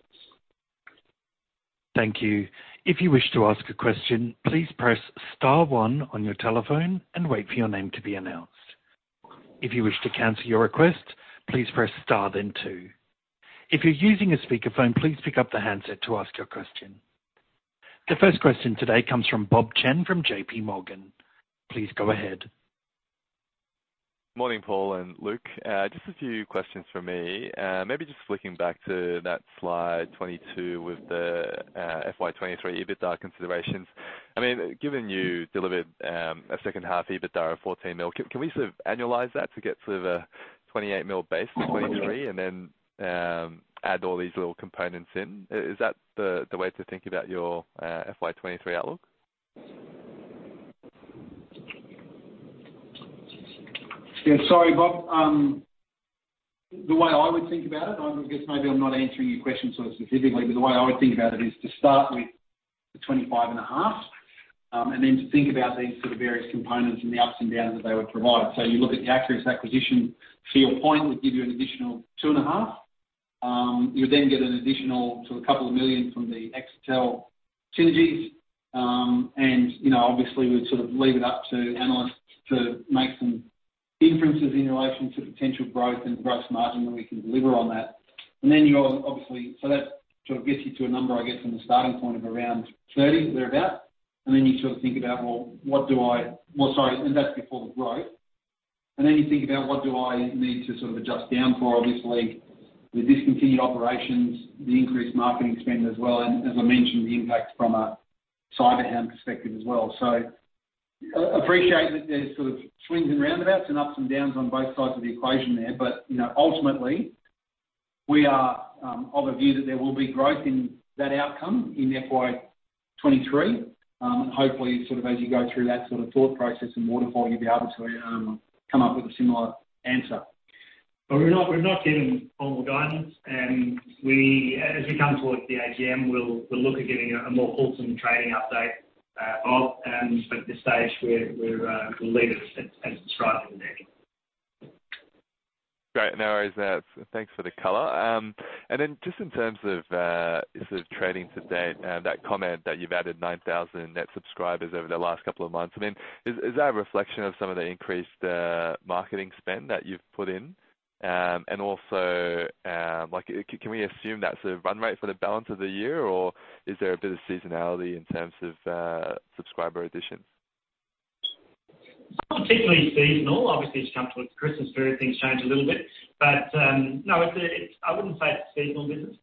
Thank you. If you wish to ask a question, please press star one on your telephone and wait for your name to be announced. If you wish to cancel your request, please press star then two. If you're using a speakerphone, please pick up the handset to ask your question. The first question today comes from Bob Chen from J.P. Morgan. Please go ahead. Morning, Paul and Luke. Just a few questions from me. Maybe just flicking back to that slide 22 with the FY 2023 EBITDA considerations. I mean, given you delivered a second half EBITDA of 14 million, can we sort of annualize that to get sort of a 28 million base for 2023 and then add all these little components in? Is that the way to think about your FY 2023 outlook? Yeah. Sorry, Bob. The way I would think about it, I guess maybe I'm not answering your question sort of specifically, but the way I would think about it is to start with the 25.5, and then to think about these sort of various components and the ups and downs that they would provide. You look at the Acurus acquisition, to your point, would give you an additional 2.5. You would then get an additional to a couple of million from the Exetel synergies. You know, obviously, we sort of leave it up to analysts to make some inferences in relation to potential growth and gross margin that we can deliver on that. That sort of gets you to a number, I guess, from the starting point of around 30 thereabout. You sort of think about what you need to sort of adjust down for, obviously, the discontinued operations, the increased marketing spend as well, and as I mentioned, the impact from a CyberHound perspective as well. Appreciate that there's sort of swings and roundabouts and ups and downs on both sides of the equation there. You know, ultimately, we are of a view that there will be growth in that outcome in FY 2023. Hopefully, sort of as you go through that sort of thought process in waterfall, you'll be able to come up with a similar answer. We're not giving formal guidance. As we come towards the AGM, we'll look at giving a more ultimate trading update, Bob. At this stage, we'll leave it as described in the deck. Great. No worries. Thanks for the color. Just in terms of sort of trading to date and that comment that you've added 9,000 net subscribers over the last couple of months, I mean, is that a reflection of some of the increased marketing spend that you've put in? Also, like, can we assume that's the run rate for the balance of the year, or is there a bit of seasonality in terms of subscriber additions? Not particularly seasonal. Obviously, as you come towards Christmas period, things change a little bit. No, I wouldn't say it's a seasonal business.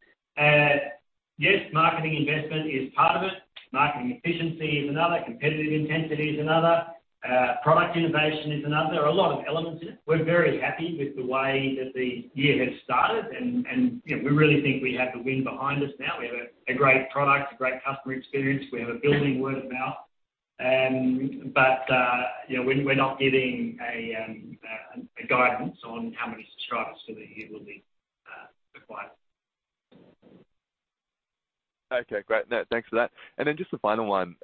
Yes, marketing investment is part of it. Marketing efficiency is another. Competitive intensity is another. Product innovation is another. There are a lot of elements in it. We're very happy with the way that the year has started, you know, we really think we have the wind behind us now. We have a great product, a great customer experience. We have a building word of mouth. You know, we're not giving a guidance on how many subscribers for the year will be acquired. Okay. Great. Thanks for that. Just a final one.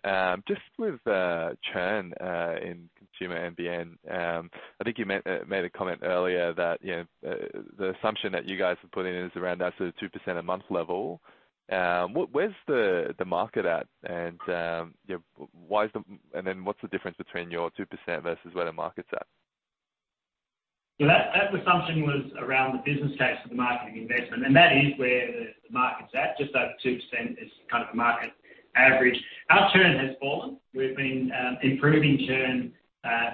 Just with churn in consumer NBN, I think you made a comment earlier that, you know, the assumption that you guys are putting in is around that sort of 2% a month level. Where's the market at? You know, what's the difference between your 2% versus where the market's at? That assumption was around the business case for the marketing investment, and that is where the market's at, just over 2% is kind of the market average. Our churn has fallen. We've been improving churn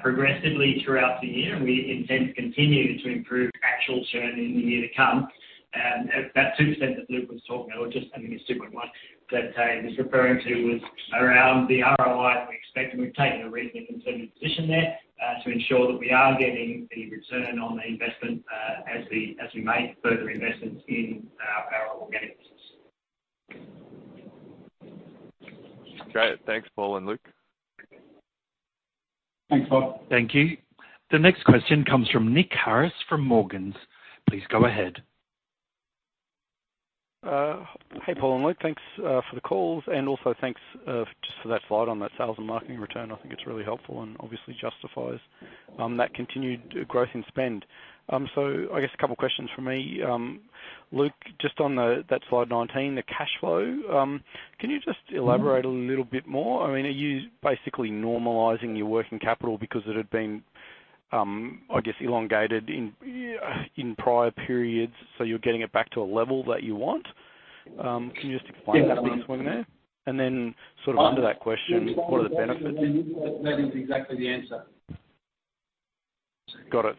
progressively throughout the year, and we intend to continue to improve actual churn in the year to come. At that 2% that Luke was talking about, that he was referring to was around the ROI we expect, and we've taken a reasonably conservative position there to ensure that we are getting the return on the investment as we make further investments in our organic business. Great. Thanks, Paul and Luke. Thanks, Bob. Thank you. The next question comes from Nick Harris from Morgans. Please go ahead. Hey, Paul and Luke. Thanks for the calls, and also thanks just for that slide on that sales and marketing return. I think it's really helpful and obviously justifies that continued growth in spend. I guess a couple questions from me. Luke, just on that slide 19, the cash flow, can you just elaborate a little bit more? I mean, are you basically normalizing your working capital because it had been, I guess, elongated in prior periods, so you're getting it back to a level that you want? Can you just explain that big swing there? And then sort of under that question, what are the benefits- That is exactly the answer. Got it.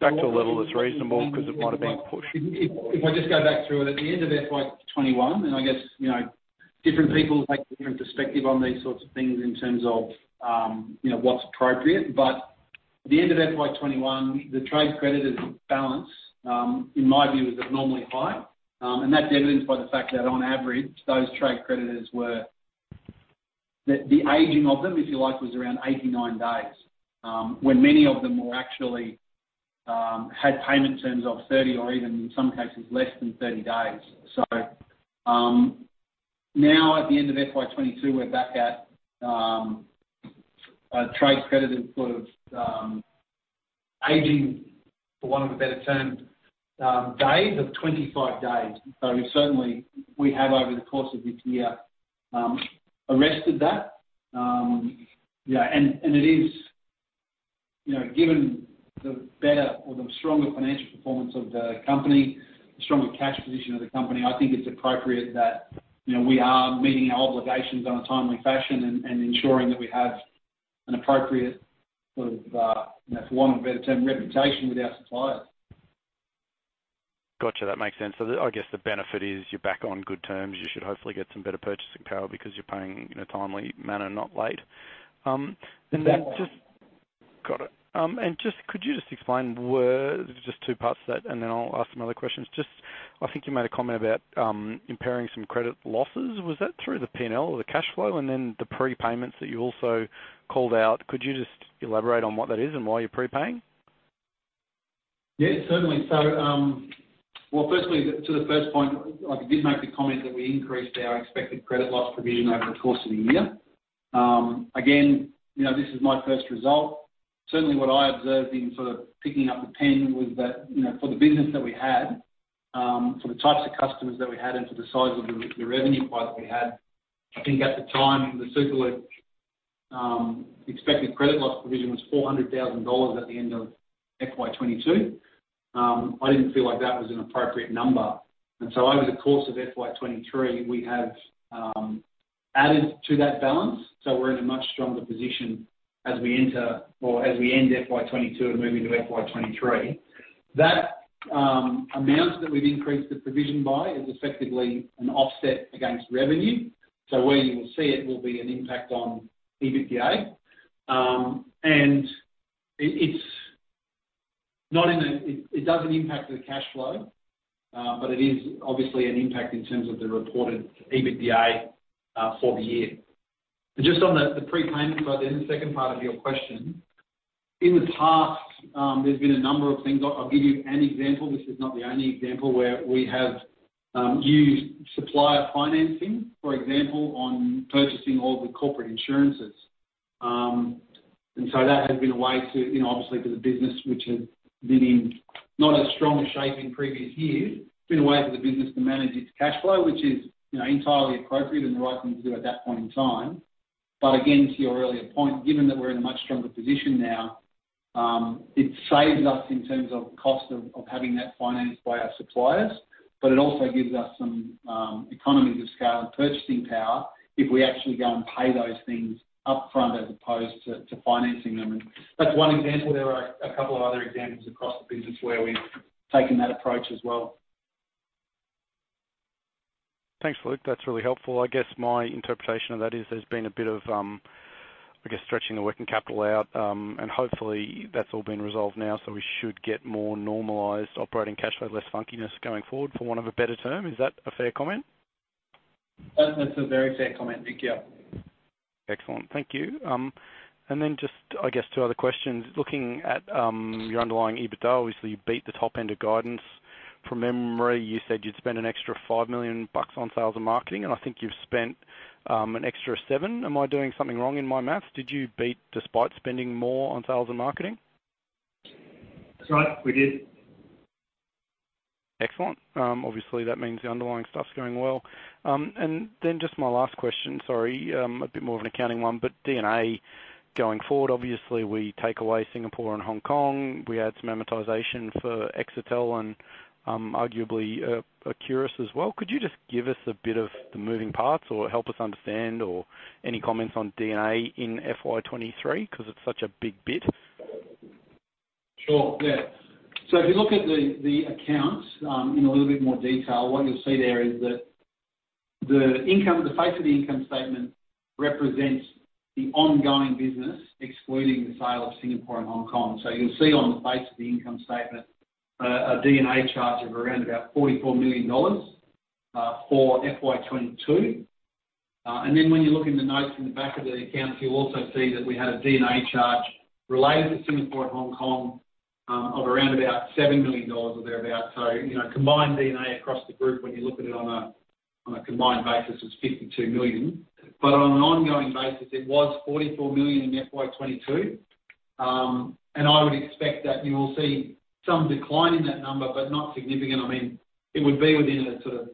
Back to a level that's reasonable because it might have been pushed. If I just go back through it, at the end of FY 2021, and I guess, you know, different people take different perspective on these sorts of things in terms of, you know, what's appropriate. At the end of FY 2021, the trade creditors balance, in my view, was abnormally high, and that's evidenced by the fact that on average, those trade creditors, the aging of them, if you like, was around 89 days, when many of them actually had payment terms of 30 or even in some cases less than 30 days. Now at the end of FY 2022, we're back at a trade creditor sort of aging, for want of a better term, days of 25 days. Certainly, we have over the course of this year arrested that. It is. You know, given the better or the stronger financial performance of the company, the stronger cash position of the company, I think it's appropriate that, you know, we are meeting our obligations in a timely fashion and ensuring that we have an appropriate sort of, you know, for want of a better term, reputation with our suppliers. Gotcha. That makes sense. I guess the benefit is you're back on good terms. You should hopefully get some better purchasing power because you're paying in a timely manner, not late. Exactly. Got it. Just two parts to that, and then I'll ask some other questions. Just, I think you made a comment about impairing some credit losses. Was that through the P&L or the cash flow? And then the prepayments that you also called out, could you just elaborate on what that is and why you're prepaying? Yeah, certainly. Well, firstly, to the first point, I did make the comment that we increased our expected credit loss provision over the course of the year. Again, you know, this is my first result. Certainly, what I observed in sort of picking up the pen was that, you know, for the business that we had, for the types of customers that we had and for the size of the revenue pipe that we had, I think at the time, the Superloop expected credit loss provision was 400,000 dollars at the end of FY 2022. I didn't feel like that was an appropriate number. Over the course of FY 2023, we have added to that balance, so we're in a much stronger position as we enter or as we end FY 2022 and move into FY 2023. The amounts that we've increased the provision by is effectively an offset against revenue. Where you will see it will be an impact on EBITDA. And it doesn't impact the cash flow, but it is obviously an impact in terms of the reported EBITDA for the year. Just on the prepayment side, the second part of your question. In the past, there's been a number of things. I'll give you an example. This is not the only example where we have used supplier financing, for example, on purchasing all of the corporate insurances. That has been a way to, you know, obviously for the business which has been in not as strong shape in previous years, it's been a way for the business to manage its cash flow, which is, you know, entirely appropriate and the right thing to do at that point in time. Again, to your earlier point, given that we're in a much stronger position now, it saves us in terms of cost of having that financed by our suppliers, but it also gives us some economies of scale and purchasing power if we actually go and pay those things up front as opposed to financing them. That's one example. There are a couple of other examples across the business where we've taken that approach as well. Thanks, Luke. That's really helpful. I guess my interpretation of that is there's been a bit of, I guess, stretching the working capital out, and hopefully that's all been resolved now, so we should get more normalized operating cash flow, less funkiness going forward, for want of a better term. Is that a fair comment? That's a very fair comment, Nick. Yeah. Excellent. Thank you. Just, I guess, two other questions. Looking at your underlying EBITDA, obviously you beat the top end of guidance. From memory, you said you'd spend an extra 5 million bucks on sales and marketing, and I think you've spent an extra 7 million. Am I doing something wrong in my math? Did you beat despite spending more on sales and marketing? That's right, we did. Excellent. Obviously that means the underlying stuff's going well. Just my last question, sorry, a bit more of an accounting one, but D&A going forward, obviously we take away Singapore and Hong Kong. We had some amortization for Exetel and, arguably, Acurus as well. Could you just give us a bit of the moving parts or help us understand or any comments on D&A in FY 2023 because it's such a big bit? Sure, yeah. If you look at the accounts in a little bit more detail, what you'll see there is that the income, the face of the income statement represents the ongoing business excluding the sale of Singapore and Hong Kong. You'll see on the face of the income statement a D&A charge of around about 44 million dollars for FY 2022. When you look in the notes in the back of the accounts, you'll also see that we had a D&A charge related to Singapore and Hong Kong of around about 7 million dollars or thereabout. You know, combined D&A across the group, when you look at it on a combined basis, was 52 million. On an ongoing basis it was 44 million in FY 2022. I would expect that you will see some decline in that number, but not significant. I mean, it would be within a sort of,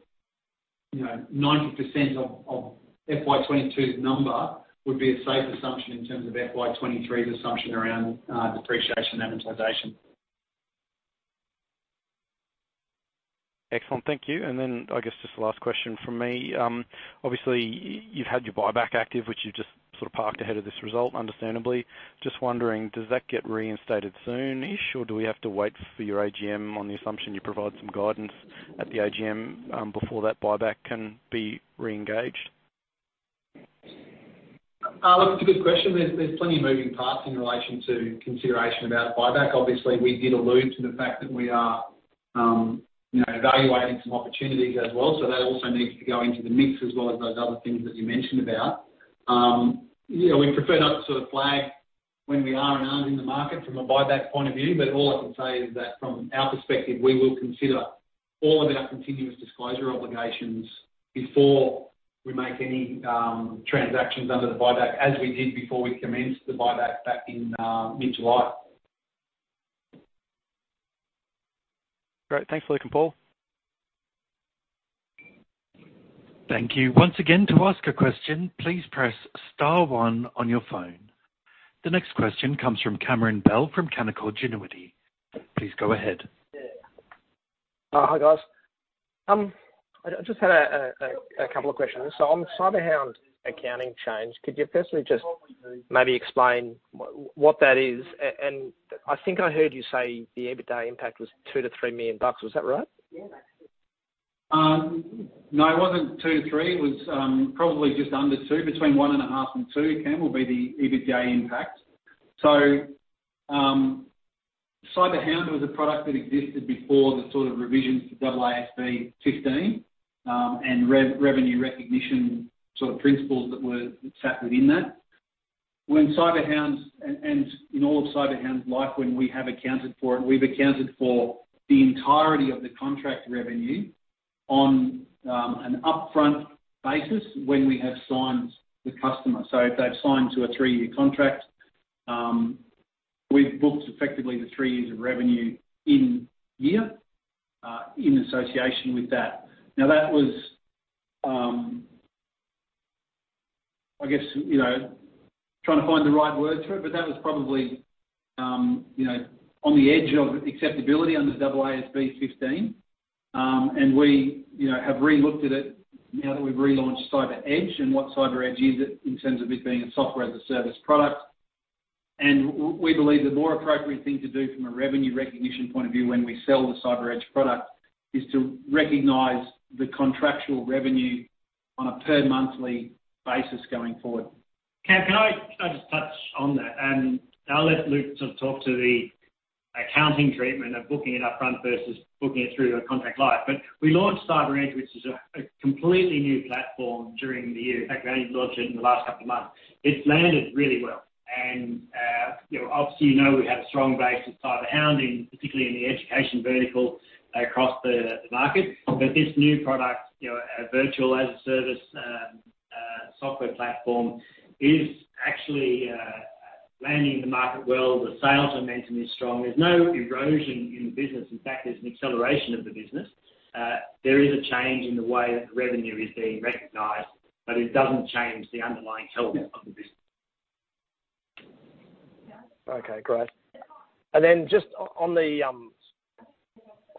you know, 90% of FY 2022's number would be a safe assumption in terms of FY 2023's assumption around depreciation and amortization. Excellent. Thank you. I guess just the last question from me. Obviously you've had your buyback active, which you've just sort of parked ahead of this result, understandably. Just wondering, does that get reinstated soon-ish, or do we have to wait for your AGM on the assumption you provide some guidance at the AGM, before that buyback can be reengaged? Look, it's a good question. There's plenty of moving parts in relation to consideration about buyback. Obviously, we did allude to the fact that we are, you know, evaluating some opportunities as well. That also needs to go into the mix as well as those other things that you mentioned about. Yeah, we prefer not to sort of flag when we are and aren't in the market from a buyback point of view, but all I can say is that from our perspective, we will consider all of our continuous disclosure obligations before we make any, transactions under the buyback, as we did before we commenced the buyback back in, mid-July. Great. Thanks, Luke and Paul. Thank you. Once again, to ask a question, please press star one on your phone. The next question comes from Cameron Bell from Canaccord Genuity. Please go ahead. Hi, guys. I just had a couple of questions. On CyberHound accounting change, could you firstly just maybe explain what that is? I think I heard you say the EBITDA impact was 2 million-3 million bucks. Was that right? No, it wasn't 2 million-3 million. It was probably just under 2 million. Between 1.5 million and 2 million, Cam, will be the EBITDA impact. CyberHound was a product that existed before the sort of revisions to AASB 15 and revenue recognition sort of principles that sat within that. And in all of CyberHound's life, when we have accounted for it, we've accounted for the entirety of the contract revenue on an upfront basis when we have signed the customer. If they've signed to a three-year contract, we've booked effectively the three revenue in year in association with that. Now, that was, I guess, you know, trying to find the right words for it, but that was probably, you know, on the edge of acceptability under AASB 15. We, you know, have relooked at it now that we've relaunched CyberEdge and what CyberEdge is in terms of it being a software as a service product. We believe the more appropriate thing to do from a revenue recognition point of view when we sell the CyberEdge product is to recognize the contractual revenue on a per monthly basis going forward. Cam, can I just touch on that? I'll let Luke sort of talk to the accounting treatment of booking it up front versus booking it through a contract live. We launched CyberEdge, which is a completely new platform during the year. In fact, we only launched it in the last couple of months. It's landed really well. You know, obviously, you know we have a strong base of CyberHound, particularly in the education vertical across the market. This new product, you know, SASE as a service software platform is actually landing the market well. The sales momentum is strong. There's no erosion in business. In fact, there's an acceleration of the business. There is a change in the way that the revenue is being recognized, but it doesn't change the underlying health of the business. Okay, great. Just on the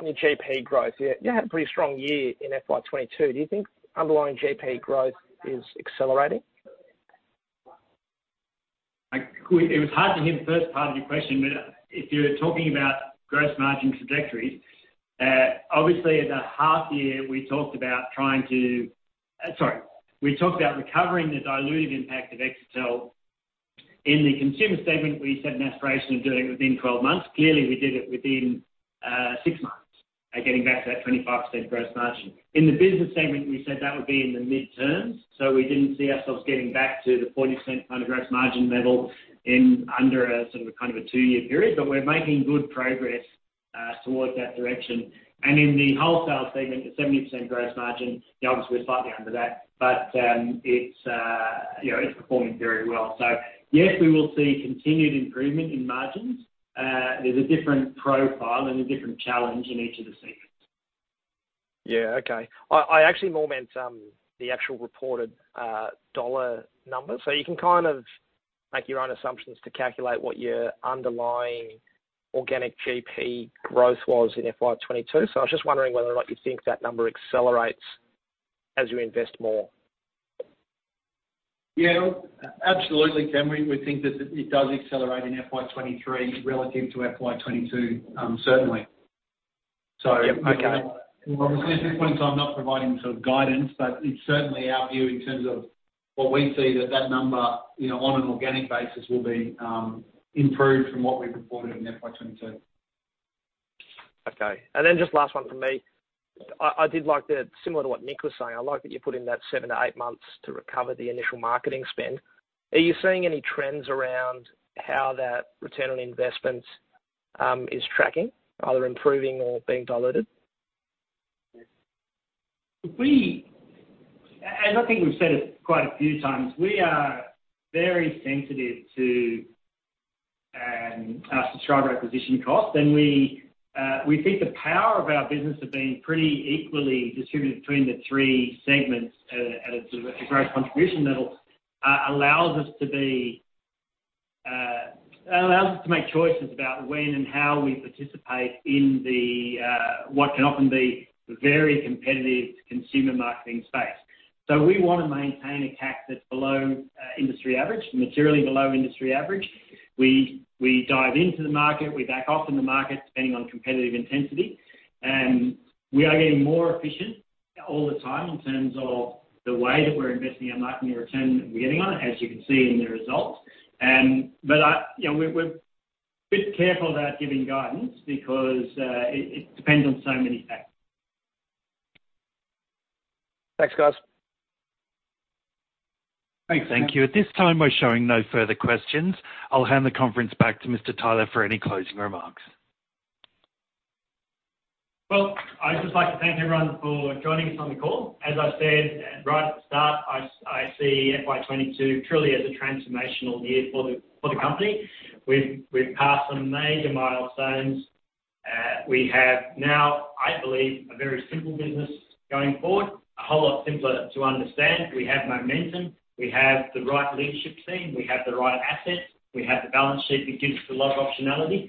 GP growth, you had a pretty strong year in FY 2022. Do you think underlying GP growth is accelerating? It was hard to hear the first part of your question, but if you're talking about gross margin trajectory, obviously at the half year, we talked about recovering the dilutive impact of Exetel. In the consumer segment, we set an aspiration of doing it within 12 months. Clearly, we did it within six months, getting back to that 25% gross margin. In the business segment, we said that would be in the mid-terms, so we didn't see ourselves getting back to the 40% kind of gross margin level in under a sort of a, kind of a two-year period. But we're making good progress towards that direction. In the wholesale segment, the 70% gross margin, you know, obviously we're slightly under that, but it's performing very well. Yes, we will see continued improvement in margins. There's a different profile and a different challenge in each of the segments. Yeah, okay. I actually more meant the actual reported dollar number. You can kind of make your own assumptions to calculate what your underlying organic GP growth was in FY 2022. I was just wondering whether or not you think that number accelerates as you invest more. Yeah. Absolutely, Cam. We think that it does accelerate in FY 2023 relative to FY 2022, certainly. Yep. Okay. Well, obviously, at this point in time, I'm not providing sort of guidance, but it's certainly our view in terms of what we see that that number, you know, on an organic basis will be improved from what we reported in FY 2022. Okay. Just last one from me. I did like. Similar to what Nick was saying, I like that you put in that seven to eight months to recover the initial marketing spend. Are you seeing any trends around how that return on investment is tracking, either improving or being diluted? I think we've said it quite a few times, we are very sensitive to subscriber acquisition costs. We think the power of our business of being pretty equally distributed between the three segments at a sort of a growth contribution level allows us to make choices about when and how we participate in the what can often be very competitive consumer marketing space. We wanna maintain a CAC that's below industry average, materially below industry average. We dive into the market, we back off in the market depending on competitive intensity. We are getting more efficient all the time in terms of the way that we're investing our marketing return that we're getting on it, as you can see in the results. You know, we're a bit careful about giving guidance because it depends on so many factors. Thanks, guys. Thanks. Thank you. At this time, we're showing no further questions. I'll hand the conference back to Mr. Tyler for any closing remarks. Well, I'd just like to thank everyone for joining us on the call. As I said right at the start, I see FY 2022 truly as a transformational year for the company. We've passed some major milestones. We have now, I believe, a very simple business going forward, a whole lot simpler to understand. We have momentum. We have the right leadership team. We have the right assets. We have the balance sheet that gives us a lot of optionality.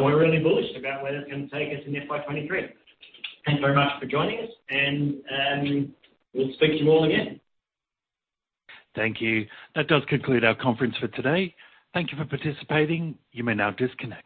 We're really bullish about where that's gonna take us in FY 2023. Thank you very much for joining us and we'll speak to you all again. Thank you. That does conclude our conference for today. Thank you for participating. You may now disconnect.